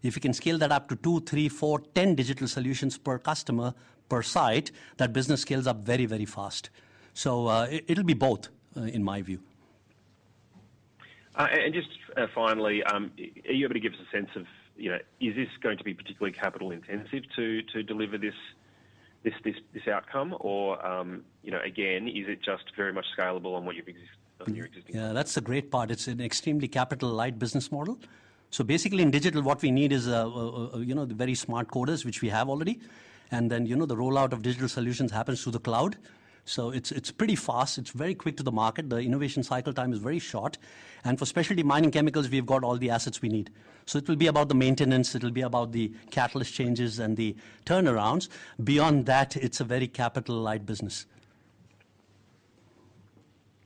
If you can scale that up to two, three, four, 10 digital solutions per customer, per site, that business scales up very, very fast. So it'll be both, in my view. And just finally, are you able to give us a sense of, is this going to be particularly capital-intensive to deliver this outcome? Or, again, is it just very much scalable on your existing? Yeah, that's the great part. It's an extremely capital-light business model. So basically, in digital, what we need is the very smart coders, which we have already. And then the rollout of digital solutions happens through the cloud. So it's pretty fast. It's very quick to the market. The innovation cycle time is very short. And for specialty mining chemicals, we've got all the assets we need. So it will be about the maintenance. It'll be about the catalyst changes and the turnarounds. Beyond that, it's a very capital-light business.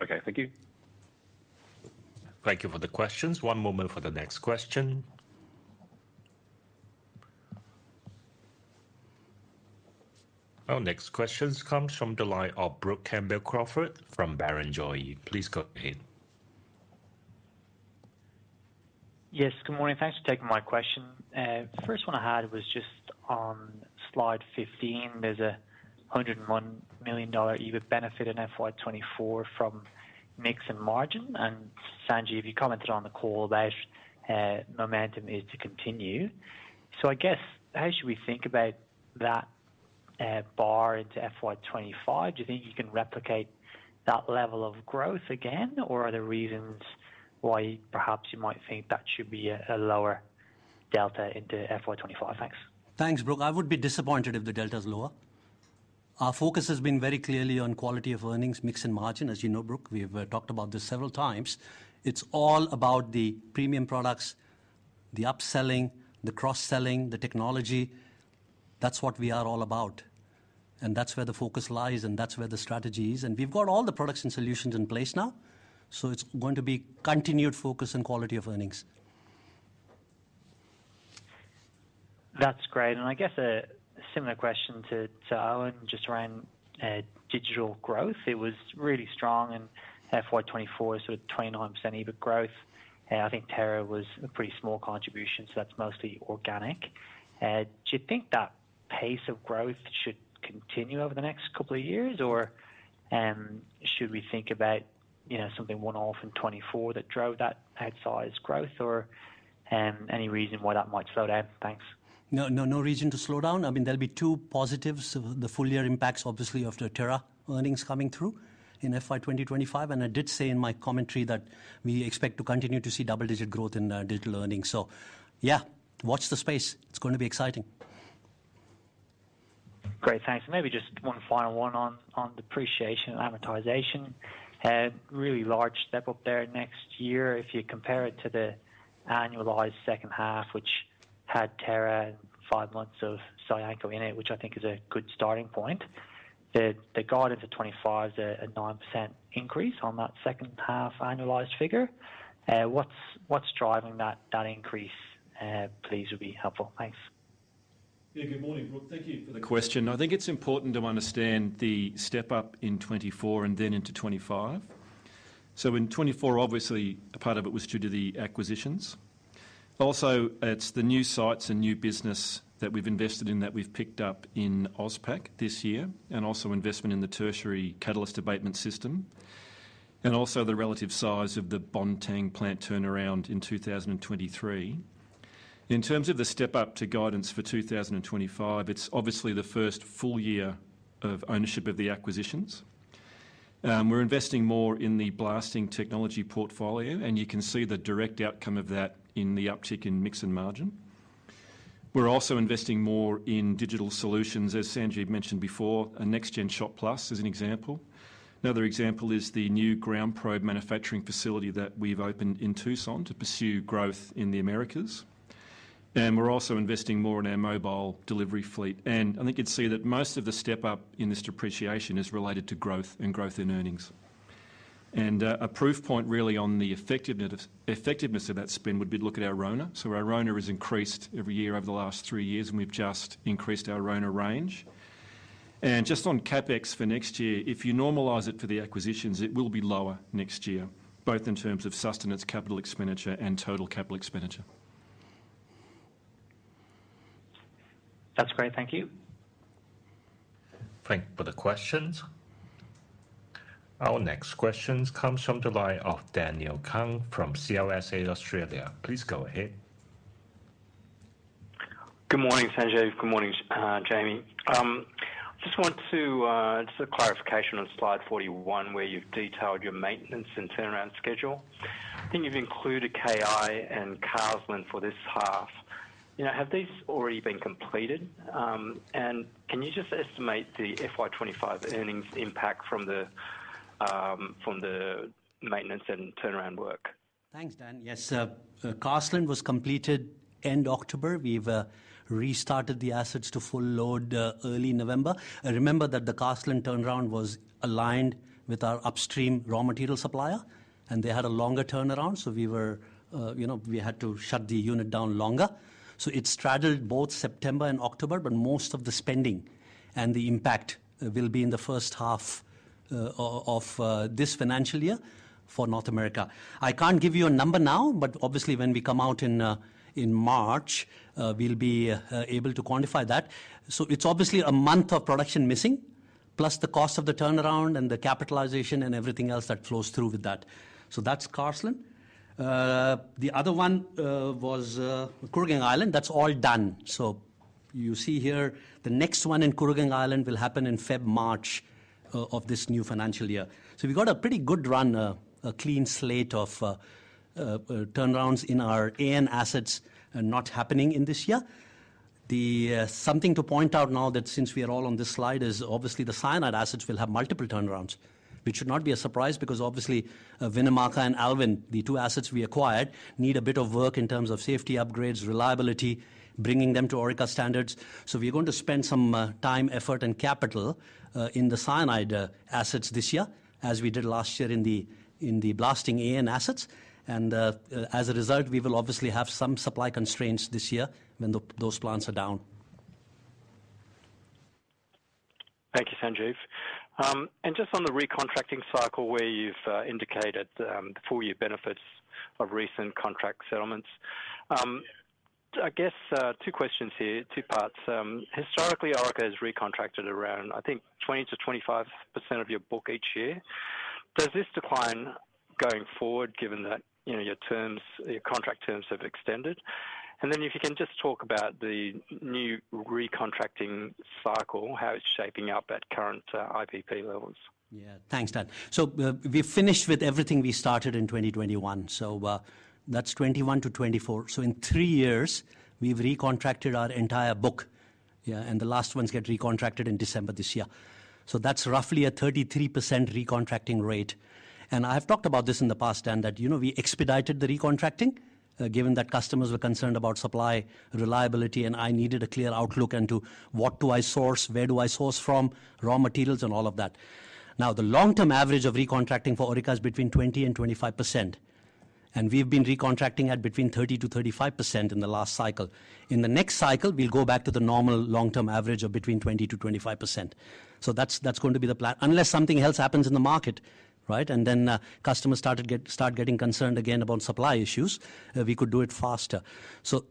Okay, thank you. Thank you for the questions. One moment for the next question. Our next question comes from Brook Campbell-Crawford from Barrenjoey. Please go ahead. Yes, good morning. Thanks for taking my question. First one I had was just on slide 15. There's an 101 million dollar EBIT benefit in FY 24 from mix and margin. And Sanjeev, you commented on the call that momentum is to continue. So I guess, how should we think about that bar into FY 25? Do you think you can replicate that level of growth again, or are there reasons why perhaps you might think that should be a lower delta into FY 25? Thanks. Thanks, Brooke. I would be disappointed if the delta is lower. Our focus has been very clearly on quality of earnings, mix and margin. As you know, Brooke, we've talked about this several times. It's all about the premium products, the upselling, the cross-selling, the technology. That's what we are all about. And that's where the focus lies, and that's where the strategy is. And we've got all the products and solutions in place now. So it's going to be continued focus on quality of earnings. That's great. And I guess a similar question to Owen just around digital growth. It was really strong in FY 2024, sort of 29% EBIT growth. I think Terra was a pretty small contribution, so that's mostly organic. Do you think that pace of growth should continue over the next couple of years, or should we think about something one-off in 2024 that drove that outsized growth, or any reason why that might slow down? Thanks. No, no reason to slow down. I mean, there'll be two positives. The full-year impacts, obviously, after Terra earnings coming through in FY 2025. I did say in my commentary that we expect to continue to see double-digit growth in digital earnings. So yeah, watch the space. It's going to be exciting. Great. Thanks. Maybe just one final one on depreciation and amortization. Really large step up there next year. If you compare it to the annualized second half, which had Terra and five months of Cyanco in it, which I think is a good starting point, the guidance of 25 is a 9% increase on that second half annualized figure. What's driving that increase? Please would be helpful. Thanks. Yeah, good morning, Brooke. Thank you for the question. I think it's important to understand the step up in 2024 and then into 2025. So in 2024, obviously, a part of it was due to the acquisitions. Also, it's the new sites and new business that we've invested in that we've picked up in OZPAC this year, and also investment in the tertiary catalyst abatement system, and also the relative size of the Bontang plant turnaround in 2023. In terms of the step up to guidance for 2025, it's obviously the first full year of ownership of the acquisitions. We're investing more in the blasting technology portfolio, and you can see the direct outcome of that in the uptick in mix and margin. We're also investing more in digital solutions, as Sanjeev mentioned before, a NextGen ShotPlus as an example. Another example is the new GroundProbe manufacturing facility that we've opened in Tucson to pursue growth in the Americas. And we're also investing more in our mobile delivery fleet. I think you'd see that most of the step up in this depreciation is related to growth and growth in earnings. A proof point really on the effectiveness of that spin would be to look at our RONA. So our RONA has increased every year over the last three years, and we've just increased our RONA range. Just on CapEx for next year, if you normalize it for the acquisitions, it will be lower next year, both in terms of sustenance capital expenditure and total capital expenditure. That's great. Thank you. Thank you for the questions. Our next question comes from Daniel Kang from CLSA Australia. Please go ahead. Good morning, Sanjeev. Good morning, Jamie. I just want a clarification on slide 41, where you've detailed your maintenance and turnaround schedule. I think you've included KI and Carseland for this half? Have these already been completed? And can you just estimate the FY 25 earnings impact from the maintenance and turnaround work? Thanks, Dan. Yes, Carseland was completed end October. We've restarted the assets to full load early November. I remember that the Carseland turnaround was aligned with our upstream raw material supplier, and they had a longer turnaround. So we had to shut the unit down longer. So it straddled both September and October, but most of the spending and the impact will be in the first half of this financial year for North America. I can't give you a number now, but obviously, when we come out in March, we'll be able to quantify that. So it's obviously a month of production missing, plus the cost of the turnaround and the capitalization and everything else that flows through with that. So that's Carseland. The other one was Kooragang Island. That's all done. So you see here, the next one in Kooragang Island will happen in February, March of this new financial year. So we've got a pretty good run, a clean slate of turnarounds in our AN assets not happening in this year. Something to point out now, since we are all on this slide, is obviously the cyanide assets will have multiple turnarounds, which should not be a surprise because obviously Winnemucca and Alvin, the two assets we acquired, need a bit of work in terms of safety upgrades, reliability, bringing them to Orica standards. So we're going to spend some time, effort, and capital in the cyanide assets this year, as we did last year in the blasting AN assets. And as a result, we will obviously have some supply constraints this year when those plants are down. Thank you, Sanjeev. Just on the recontracting cycle where you've indicated the full-year benefits of recent contract settlements, I guess two questions here, two parts. Historically, Orica has recontracted around, I think, 20%-25% of your book each year. Does this decline going forward, given that your contract terms have extended? And then if you can just talk about the new recontracting cycle, how it's shaping up at current IPP levels. Yeah, thanks, Dan. So we've finished with everything we started in 2021. So that's 2021 to 2024. So in three years, we've recontracted our entire book. And the last ones get recontracted in December this year. So that's roughly a 33% recontracting rate. I've talked about this in the past, Dan, that we expedited the recontracting, given that customers were concerned about supply reliability, and I needed a clear outlook into what do I source, where do I source from, raw materials, and all of that. Now, the long-term average of recontracting for Orica is between 20% and 25%. We've been recontracting at between 30% to 35% in the last cycle. In the next cycle, we'll go back to the normal long-term average of between 20% to 25%. That's going to be the plan, unless something else happens in the market, right? Then customers start getting concerned again about supply issues. We could do it faster.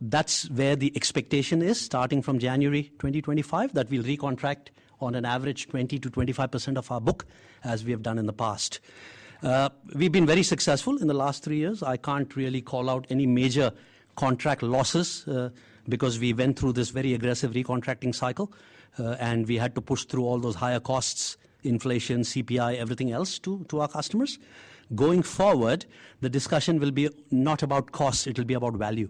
That's where the expectation is, starting from January 2025, that we'll recontract on an average 20% to 25% of our book, as we have done in the past. We've been very successful in the last three years. I can't really call out any major contract losses because we went through this very aggressive recontracting cycle, and we had to push through all those higher costs, inflation, CPI, everything else to our customers. Going forward, the discussion will be not about costs. It'll be about value.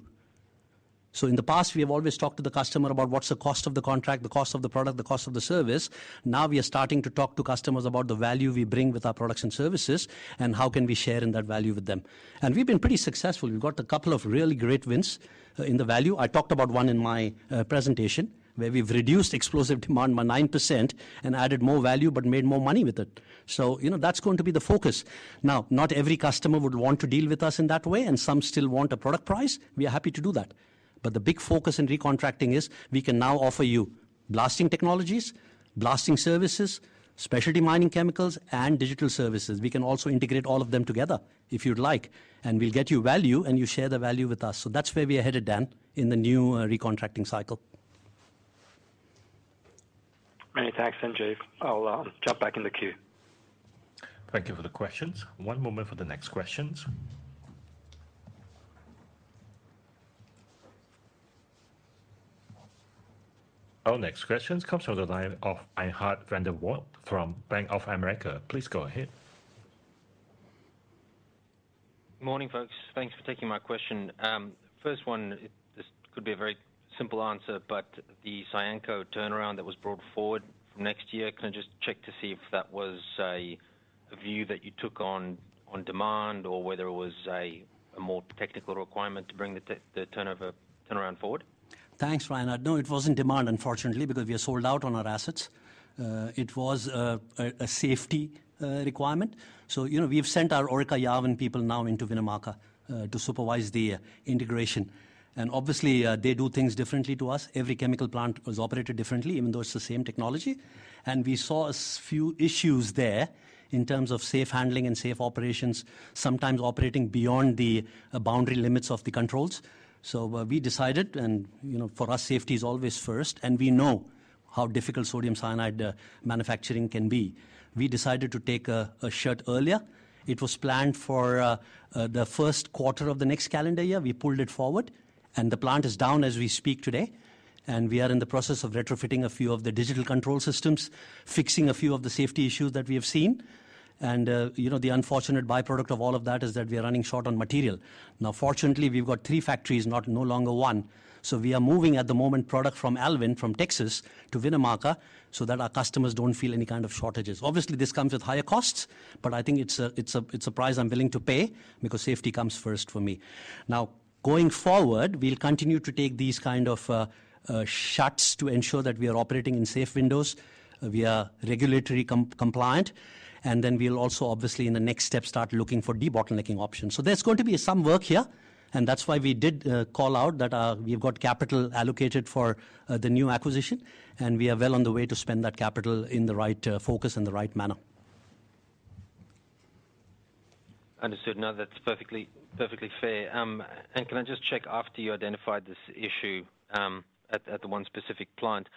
So in the past, we have always talked to the customer about what's the cost of the contract, the cost of the product, the cost of the service. Now we are starting to talk to customers about the value we bring with our products and services and how can we share in that value with them. And we've been pretty successful. We've got a couple of really great wins in the value. I talked about one in my presentation where we've reduced explosive demand by 9% and added more value, but made more money with it. So that's going to be the focus. Now, not every customer would want to deal with us in that way, and some still want a product price. We are happy to do that. But the big focus in recontracting is we can now offer you blasting technologies, blasting services, specialty mining chemicals, and digital services. We can also integrate all of them together, if you'd like, and we'll get you value, and you share the value with us. So that's where we are headed, Dan, in the new recontracting cycle. Many thanks, Sanjeev. I'll jump back in the queue. Thank you for the questions. One moment for the next questions. Our next question comes from the line of Aihart Vander voort from Bank of America. Please go ahead. Morning, folks. Thanks for taking my question. First one, this could be a very simple answer, but the Cyanco turnaround that was brought forward for next year, can I just check to see if that was a view that you took on demand or whether it was a more technical requirement to bring the turnaround forward? Thanks, Ryan. I know it wasn't demand, unfortunately, because we are sold out on our assets. It was a safety requirement. So we've sent our Orica Yarwun people now into Winnemucca to supervise the integration. And obviously, they do things differently to us. Every chemical plant was operated differently, even though it's the same technology. And we saw a few issues there in terms of safe handling and safe operations, sometimes operating beyond the boundary limits of the controls. So we decided, and for us, safety is always first, and we know how difficult sodium cyanide manufacturing can be. We decided to take a shutdown earlier. It was planned for the first quarter of the next calendar year. We pulled it forward, and the plant is down as we speak today. And we are in the process of retrofitting a few of the digital control systems, fixing a few of the safety issues that we have seen. And the unfortunate byproduct of all of that is that we are running short on material. Now, fortunately, we've got three factories, no longer one. So we are moving at the moment product from Alvin, from Texas, to Winnemucca so that our customers don't feel any kind of shortages. Obviously, this comes with higher costs, but I think it's a price I'm willing to pay because safety comes first for me. Now, going forward, we'll continue to take these kind of shots to ensure that we are operating in safe windows. We are regulatory compliant. And then we'll also, obviously, in the next step, start looking for de-bottlenecking options. So there's going to be some work here. And that's why we did call out that we've got capital allocated for the new acquisition. And we are well on the way to spend that capital in the right focus and the right manner. Understood. No, that's perfectly fair. And can I just check after you identified this issue at the one specific plant?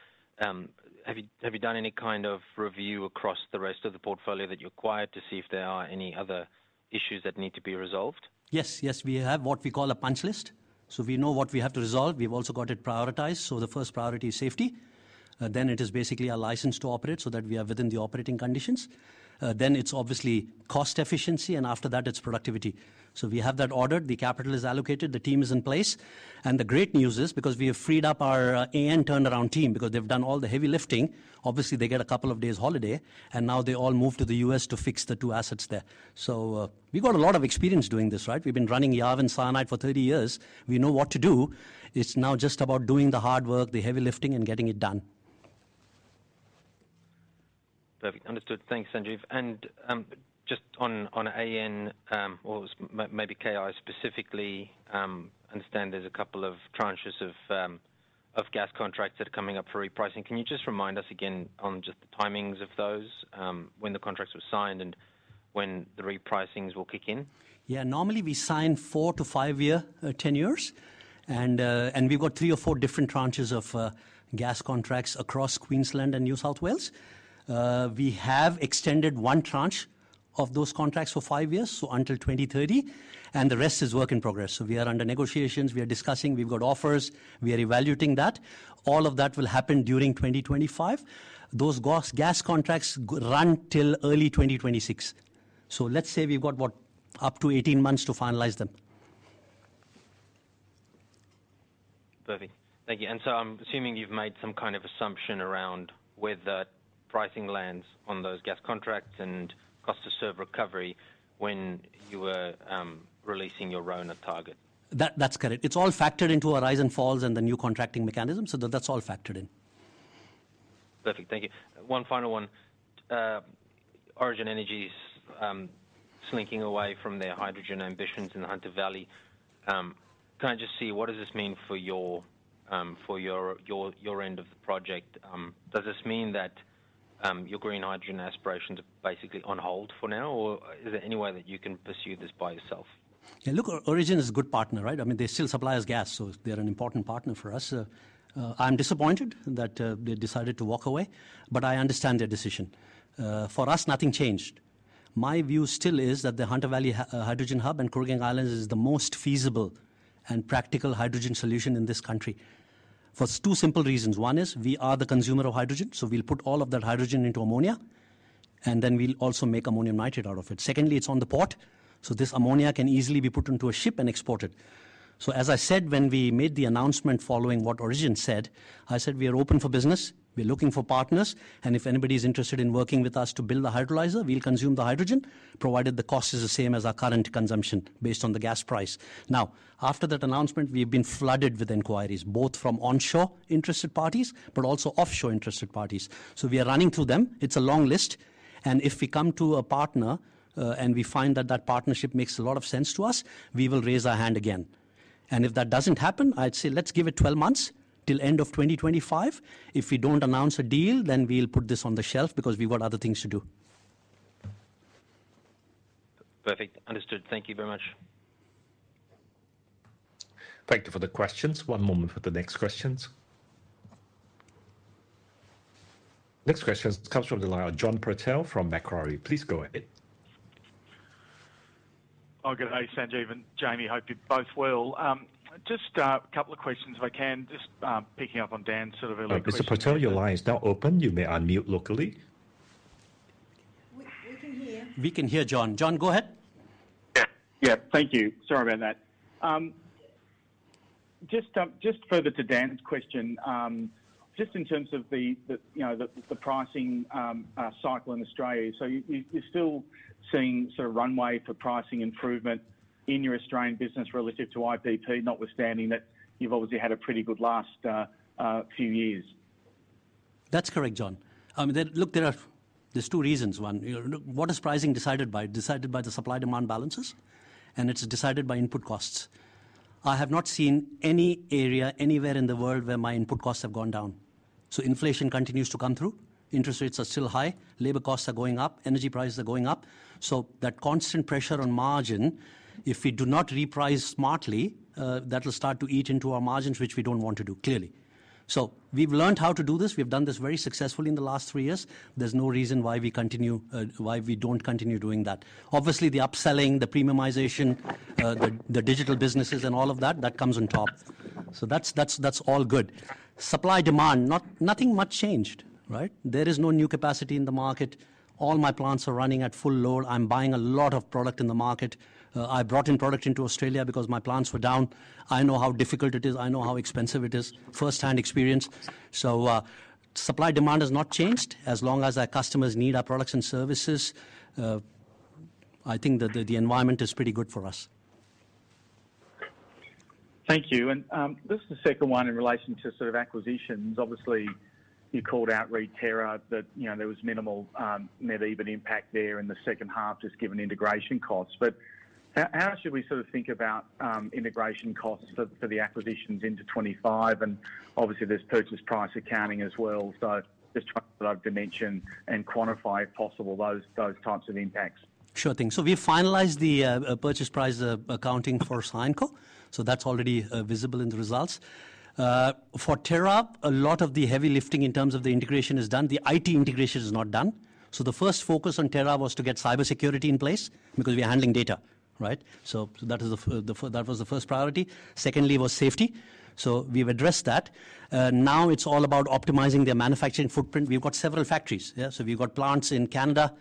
Have you done any kind of review across the rest of the portfolio that you acquired to see if there are any other issues that need to be resolved? Yes, yes. We have what we call a punch list. So we know what we have to resolve. We've also got it prioritized, so the first priority is safety, then it is basically our license to operate so that we are within the operating conditions, then it's obviously cost efficiency, and after that, it's productivity, so we have that ordered. The capital is allocated. The team is in place, and the great news is, because we have freed up our AN turnaround team, because they've done all the heavy lifting, obviously, they get a couple of days holiday, and now they all moved to the U.S. to fix the two assets there, so we've got a lot of experience doing this, right? We've been running Alvin cyanide for 30 years. We know what to do. It's now just about doing the hard work, the heavy lifting, and getting it done. Perfect. Understood. Thanks, Sanjeev. And just on AN, or maybe KI specifically, I understand there's a couple of tranches of gas contracts that are coming up for repricing. Can you just remind us again on just the timings of those, when the contracts were signed and when the repricings will kick in? Yeah, normally we sign four to five years, 10 years. And we've got three or four different tranches of gas contracts across Queensland and New South Wales. We have extended one tranche of those contracts for five years, so until 2030. And the rest is work in progress. So we are under negotiations. We are discussing. We've got offers. We are evaluating that. All of that will happen during 2025. Those gas contracts run till early 2026. So let's say we've got what, up to 18 months to finalize them. Perfect. Thank you. So I'm assuming you've made some kind of assumption around where the pricing lands on those gas contracts and cost-to-serve recovery when you were releasing your RONA target. That's correct. It's all factored into our rise and falls and the new contracting mechanism. Sothat's all factored in. Perfect. Thank you. One final one. Origin Energy is slinking away from their hydrogen ambitions in the Hunter Valley. Can I just see what does this mean for your end of the project? Does this mean that your green hydrogen aspirations are basically on hold for now, or is there any way that you can pursue this by yourself? Yeah, look, Origin is a good partner, right? I mean, they still supply us gas, so they're an important partner for us. I'm disappointed that they decided to walk away, but I understand their decision. For us, nothing changed. My view still is that the Hunter Valley Hydrogen Hub and Kooragang Island is the most feasible and practical hydrogen solution in this country for two simple reasons. One is we are the consumer of hydrogen, so we'll put all of that hydrogen into ammonia, and then we'll also make ammonium nitrate out of it. Secondly, it's on the port, so this ammonia can easily be put into a ship and exported. As I said, when we made the announcement following what Origin said, I said, we are open for business. We're looking for partners. And if anybody is interested in working with us to build an electrolyzer, we'll consume the hydrogen, provided the cost is the same as our current consumption based on the gas price. Now, after that announcement, we have been flooded with inquiries, both from onshore interested parties, but also offshore interested parties. So we are running through them. It's a long list. And if we come to a partner and we find that that partnership makes a lot of sense to us, we will raise our hand again. And if that doesn't happen, I'd say let's give it 12 months till the end of 2025. If we don't announce a deal, then we'll put this on the shelf because we've got other things to do. Perfect. Understood. Thank you very much. Thank you for the questions. One moment for the next questions. Next question comes from the line of John Purtell from Macquarie. Please go ahead. Oh, good. Hi, Sanjeev and Jamie. Hope you both well. Just a couple of questions, if I can. Just picking up on Dan's sort of earlier question. Mr. Purtell, your line is now open. You may unmute locally. We can hear. We can hear, John. John, go ahead. Yeah, yeah. Thank you. Sorry about that. Just further to Dan's question, just in terms of the pricing cycle in Australia, so you're still seeing sort of runway for pricing improvement in your Australian business relative to IPP, notwithstanding that you've obviously had a pretty good last few years. That's correct, John. Look, there are two reasons. One, what is pricing decided by? Decided by the supply-demand balances, and it's decided by input costs. I have not seen any area anywhere in the world where my input costs have gone down. So inflation continues to come through. Interest rates are still high. Labor costs are going up. Energy prices are going up. So that constant pressure on margin, if we do not reprice smartly, that will start to eat into our margins, which we don't want to do, clearly. So we've learned how to do this. We've done this very successfully in the last three years. There's no reason why we don't continue doing that. Obviously, the upselling, the premiumization, the digital businesses, and all of that, that comes on top. So that's all good. Supply-demand, nothing much changed, right? There is no new capacity in the market. All my plants are running at full load. I'm buying a lot of product in the market. I brought in product into Australia because my plants were down. I know how difficult it is. I know how expensive it is. First-hand experience. So supply-demand has not changed. As long as our customers need our products and services, I think that the environment is pretty good for us. Thank you. And this is the second one in relation to sort of acquisitions. Obviously, you called out regarding Terra that there was minimal net revenue impact there in the second half just given integration costs. But how should we sort of think about integration costs for the acquisitions into 25? And obviously, there's purchase price accounting as well. So just trying to dimension and quantify, if possible, those types of impacts. Sure thing. So we finalized the purchase price accounting for Cyanco. So that's already visible in the results. For Terra, a lot of the heavy lifting in terms of the integration is done. The IT integration is not done. So the first focus on Terra was to get cybersecurity in place because we are handling data, right? So that was the first priority. Secondly was safety. So we've addressed that. Now it's all about optimizing their manufacturing footprint. We've got several factories. So we've got plants in Canada.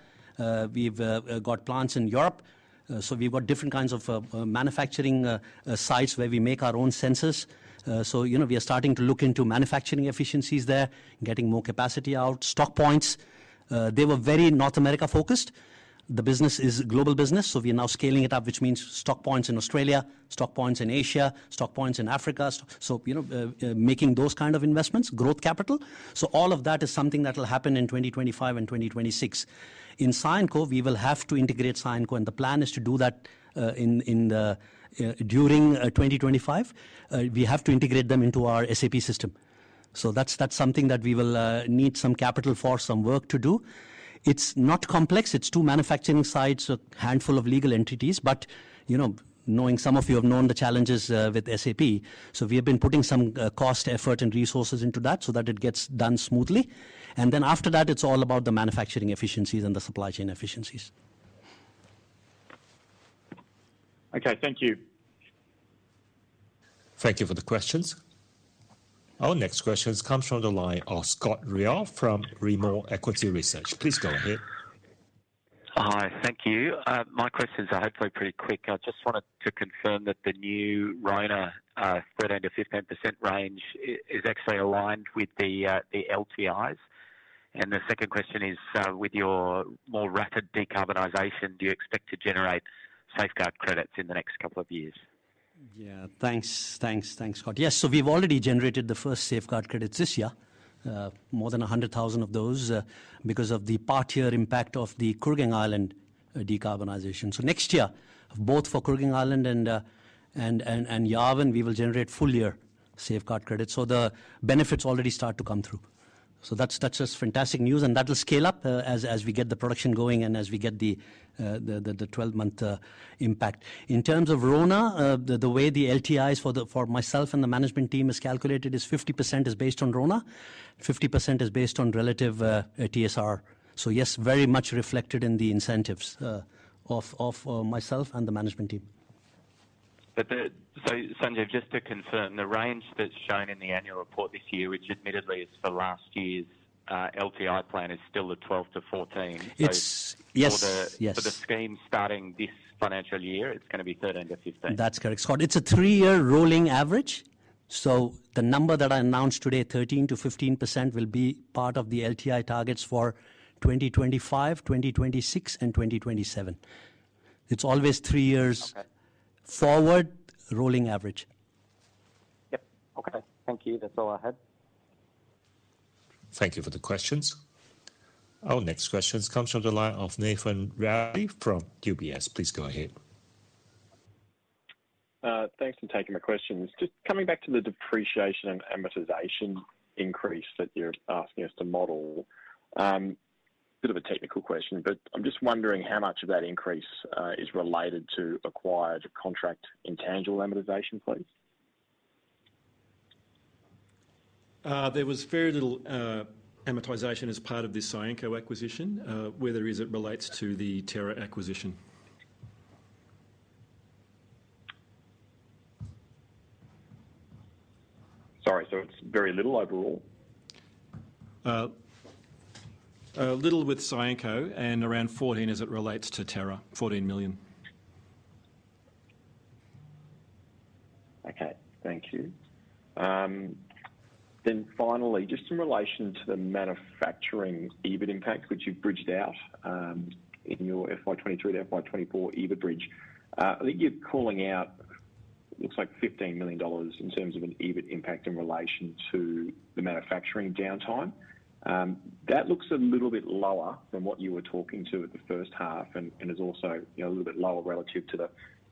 We've got plants in Europe. So we've got different kinds of manufacturing sites where we make our own sensors. So we are starting to look into manufacturing efficiencies there, getting more capacity out. Stock points. They were very North America-focused. The business is a global business. So we are now scaling it up, which means stock points in Australia, stock points in Asia, stock points in Africa. So making those kinds of investments, growth capital. So all of that is something that will happen in 2025 and 2026. In Cyanco, we will have to integrate Cyanco, and the plan is to do that during 2025. We have to integrate them into our SAP system. So that's something that we will need some capital for, some work to do. It's not complex. It's two manufacturing sites, a handful of legal entities. But knowing some of you have known the challenges with SAP, so we have been putting some cost, effort, and resources into that so that it gets done smoothly. And then after that, it's all about the manufacturing efficiencies and the supply chain efficiencies. Okay, thank you. Thank you for the questions. Our next questions come from the line of Scott Ryall from Rimor Equity Research. Please go ahead. Hi, thank you. My questions are hopefully pretty quick. I just wanted to confirm that the new RONA spread under 15% range is actually aligned with the LTIs. And the second question is, with your more rapid decarbonization, do you expect to generate Safeguard Credits in the next couple of years? Yeah, thanks. Thanks, Scott. Yes, so we've already generated the first Safeguard Credits this year, more than 100,000 of those because of the part-year impact of the Kooragang Island decarbonization. Next year, both for Kooragang Island and Yarwun, we will generate full-year Safeguard Credits. The benefits already start to come through. That's just fantastic news. That will scale up as we get the production going and as we get the 12-month impact. In terms of RONA, the way the LTIs for myself and the management team is calculated is 50% is based on RONA, 50% is based on relative TSR. Yes, very much reflected in the incentives of myself and the management team. Sanjeev, just to confirm, the range that's shown in the annual report this year, which admittedly is for last year's LTI plan, is still the 12-14. Yes, yes. For the scheme starting this financial year, it's going to be 13-15. That's correct, Scott. It's a three-year rolling average. So the number that I announced today, 13%-15%, will be part of the LTI targets for 2025, 2026, and 2027. It's always three years forward rolling average. Yep. Okay. Thank you. That's all I had. Thank you for the questions. Our next questions come from the line of Nathan Reilly from UBS. Please go ahead. Thanks for taking my questions. Just coming back to the depreciation and amortization increase that you're asking us to model, a bit of a technical question, but I'm just wondering how much of that increase is related to acquired contract intangible amortization, please? There was very little amortization as part of this Cyanco acquisition, whether it relates to the Terra acquisition. Sorry, so it's very little overall? A little with Cyanco and around 14 as it relates to Terra, 14 million. Okay, thank you. Then finally, just in relation to the manufacturing EBIT impact, which you've bridged out in your FY23 to FY24 EBIT bridge, I think you're calling out, it looks like, 15 million dollars in terms of an EBIT impact in relation to the manufacturing downtime. That looks a little bit lower than what you were talking to at the first half and is also a little bit lower relative to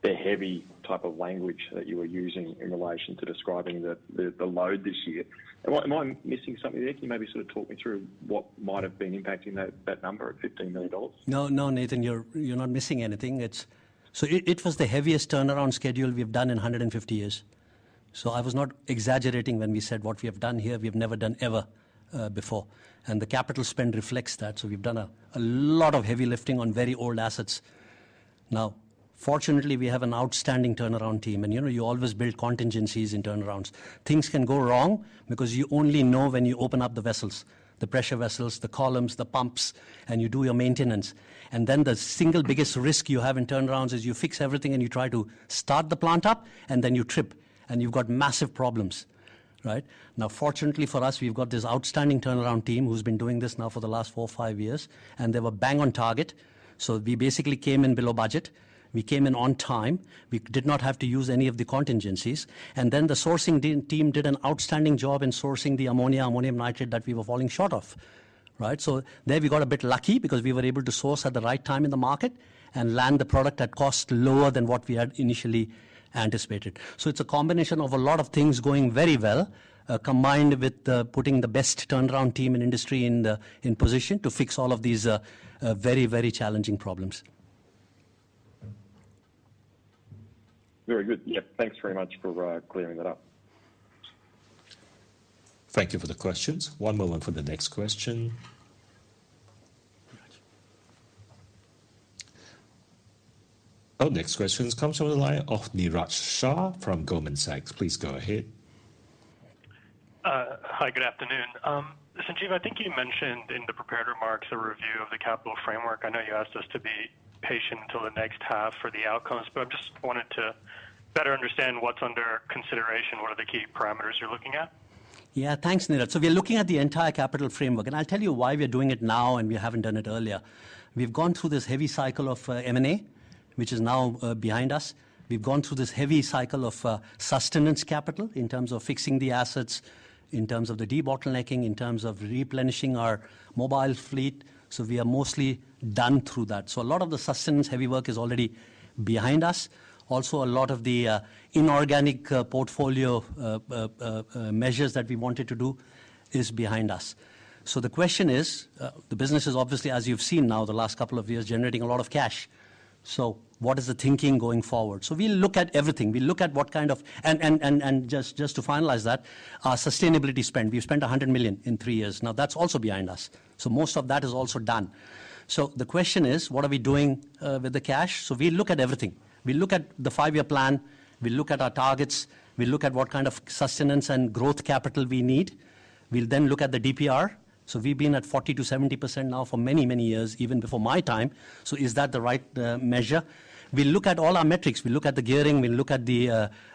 the heavy type of language that you were using in relation to describing the load this year. Am I missing something there? Can you maybe sort of talk me through what might have been impacting that number at 15 million dollars? No, no, Nathan, you're not missing anything. So it was the heaviest turnaround schedule we've done in 150 years. So I was not exaggerating when we said what we have done here, we have never done ever before. And the capital spend reflects that. So we've done a lot of heavy lifting on very old assets. Now, fortunately, we have an outstanding turnaround team. And you always build contingencies in turnarounds. Things can go wrong because you only know when you open up the vessels, the pressure vessels, the columns, the pumps, and you do your maintenance. And then the single biggest risk you have in turnarounds is you fix everything and you try to start the plant up, and then you trip and you've got massive problems, right? Now, fortunately for us, we've got this outstanding turnaround team who's been doing this now for the last four or five years. And they were bang on target. So we basically came in below budget. We came in on time. We did not have to use any of the contingencies. And then the sourcing team did an outstanding job in sourcing the ammonia, ammonium nitrate that we were falling short of, right? So there we got a bit lucky because we were able to source at the right time in the market and land the product at cost lower than what we had initially anticipated. So it's a combination of a lot of things going very well, combined with putting the best turnaround team in industry in position to fix all of these very, very challenging problems. Very good. Yep, thanks very much for clearing that up. Thank you for the questions. One moment for the next question. Our next questions come from the line of Niraj Shah from Goldman Sachs. Please go ahead. Hi, good afternoon. Sanjeev, I think you mentioned in the prepared remarks a review of the capital framework. I know you asked us to be patient until the next half for the outcomes, but I just wanted to better understand what's under consideration, what are the key parameters you're looking at? Yeah, thanks, Niraj. So we are looking at the entire capital framework. And I'll tell you why we're doing it now and we haven't done it earlier. We've gone through this heavy cycle of M&A, which is now behind us. We've gone through this heavy cycle of sustenance capital in terms of fixing the assets, in terms of the debottlenecking, in terms of replenishing our mobile fleet. So we are mostly done through that. So a lot of the sustenance heavy work is already behind us. Also, a lot of the inorganic portfolio measures that we wanted to do is behind us. The question is, the business is obviously, as you've seen now the last couple of years, generating a lot of cash. What is the thinking going forward? We look at everything. We look at what kind of, and just to finalize that, our sustainability spend. We've spent 100 million in three years. Now, that's also behind us. So most of that is also done. The question is, what are we doing with the cash? We look at everything. We look at the five-year plan. We look at our targets. We look at what kind of sustaining and growth capital we need. We'll then look at the DPR. We've been at 40%-70% now for many, many years, even before my time. Is that the right measure? We look at all our metrics. We look at the gearing. We look at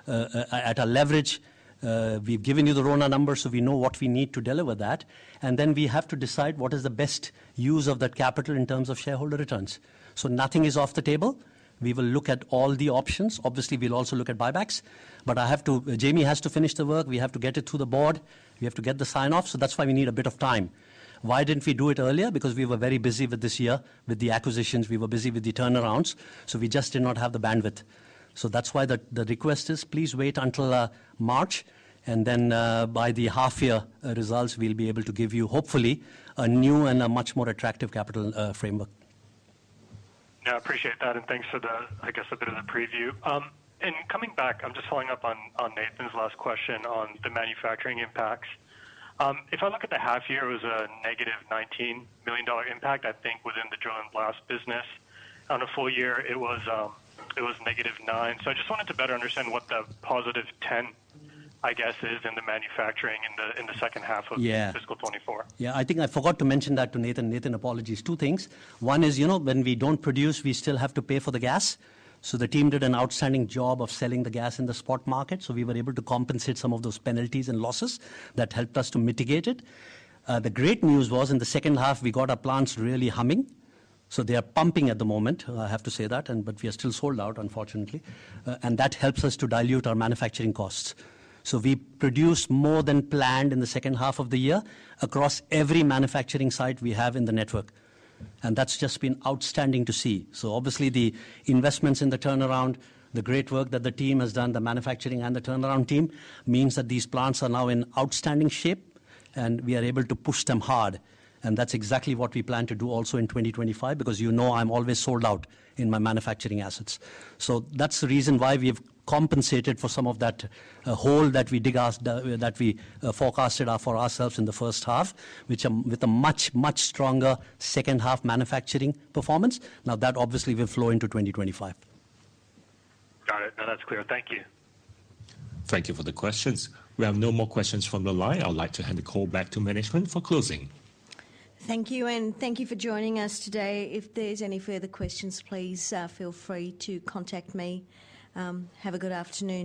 our leverage. We've given you the RONA number, so we know what we need to deliver that, and then we have to decide what is the best use of that capital in terms of shareholder returns. So nothing is off the table. We will look at all the options. Obviously, we'll also look at buybacks, but Jamie has to finish the work. We have to get it through the board. We have to get the sign-off, so that's why we need a bit of time. Why didn't we do it earlier? Because we were very busy with this year with the acquisitions. We were busy with the turnarounds, so we just did not have the bandwidth, so that's why the request is, please wait until March, and then by the half-year results, we'll be able to give you, hopefully, a new and a much more attractive capital framework. Yeah, I appreciate that. Thanks for the, I guess, a bit of the preview. Coming back, I'm just following up on Nathan's last question on the manufacturing impacts. If I look at the half-year, it was a negative $19 million impact, I think, within the drill and blast business. On a full year, it was negative 9. I just wanted to better understand what the positive 10, I guess, is in the manufacturing in the second half of fiscal 2024. Yeah, I think I forgot to mention that to Nathan. Nathan, apologies. Two things. One is when we don't produce, we still have to pay for the gas. The team did an outstanding job of selling the gas in the spot market. We were able to compensate some of those penalties and losses that helped us to mitigate it. The great news was in the second half, we got our plants really humming. So they are pumping at the moment, I have to say that. But we are still sold out, unfortunately. And that helps us to dilute our manufacturing costs. So we produced more than planned in the second half of the year across every manufacturing site we have in the network. And that's just been outstanding to see. So obviously, the investments in the turnaround, the great work that the team has done, the manufacturing and the turnaround team means that these plants are now in outstanding shape, and we are able to push them hard. And that's exactly what we plan to do also in 2025 because, you know, I'm always sold out in my manufacturing assets. So that's the reason why we have compensated for some of that hole that we forecasted for ourselves in the first half, which is with a much, much stronger second-half manufacturing performance. Now, that obviously will flow into 2025. Got it. No, that's clear. Thank you. Thank you for the questions. We have no more questions from the line. I'd like to hand the call back to management for closing. Thank you. And thank you for joining us today. If there's any further questions, please feel free to contact me. Have a good afternoon.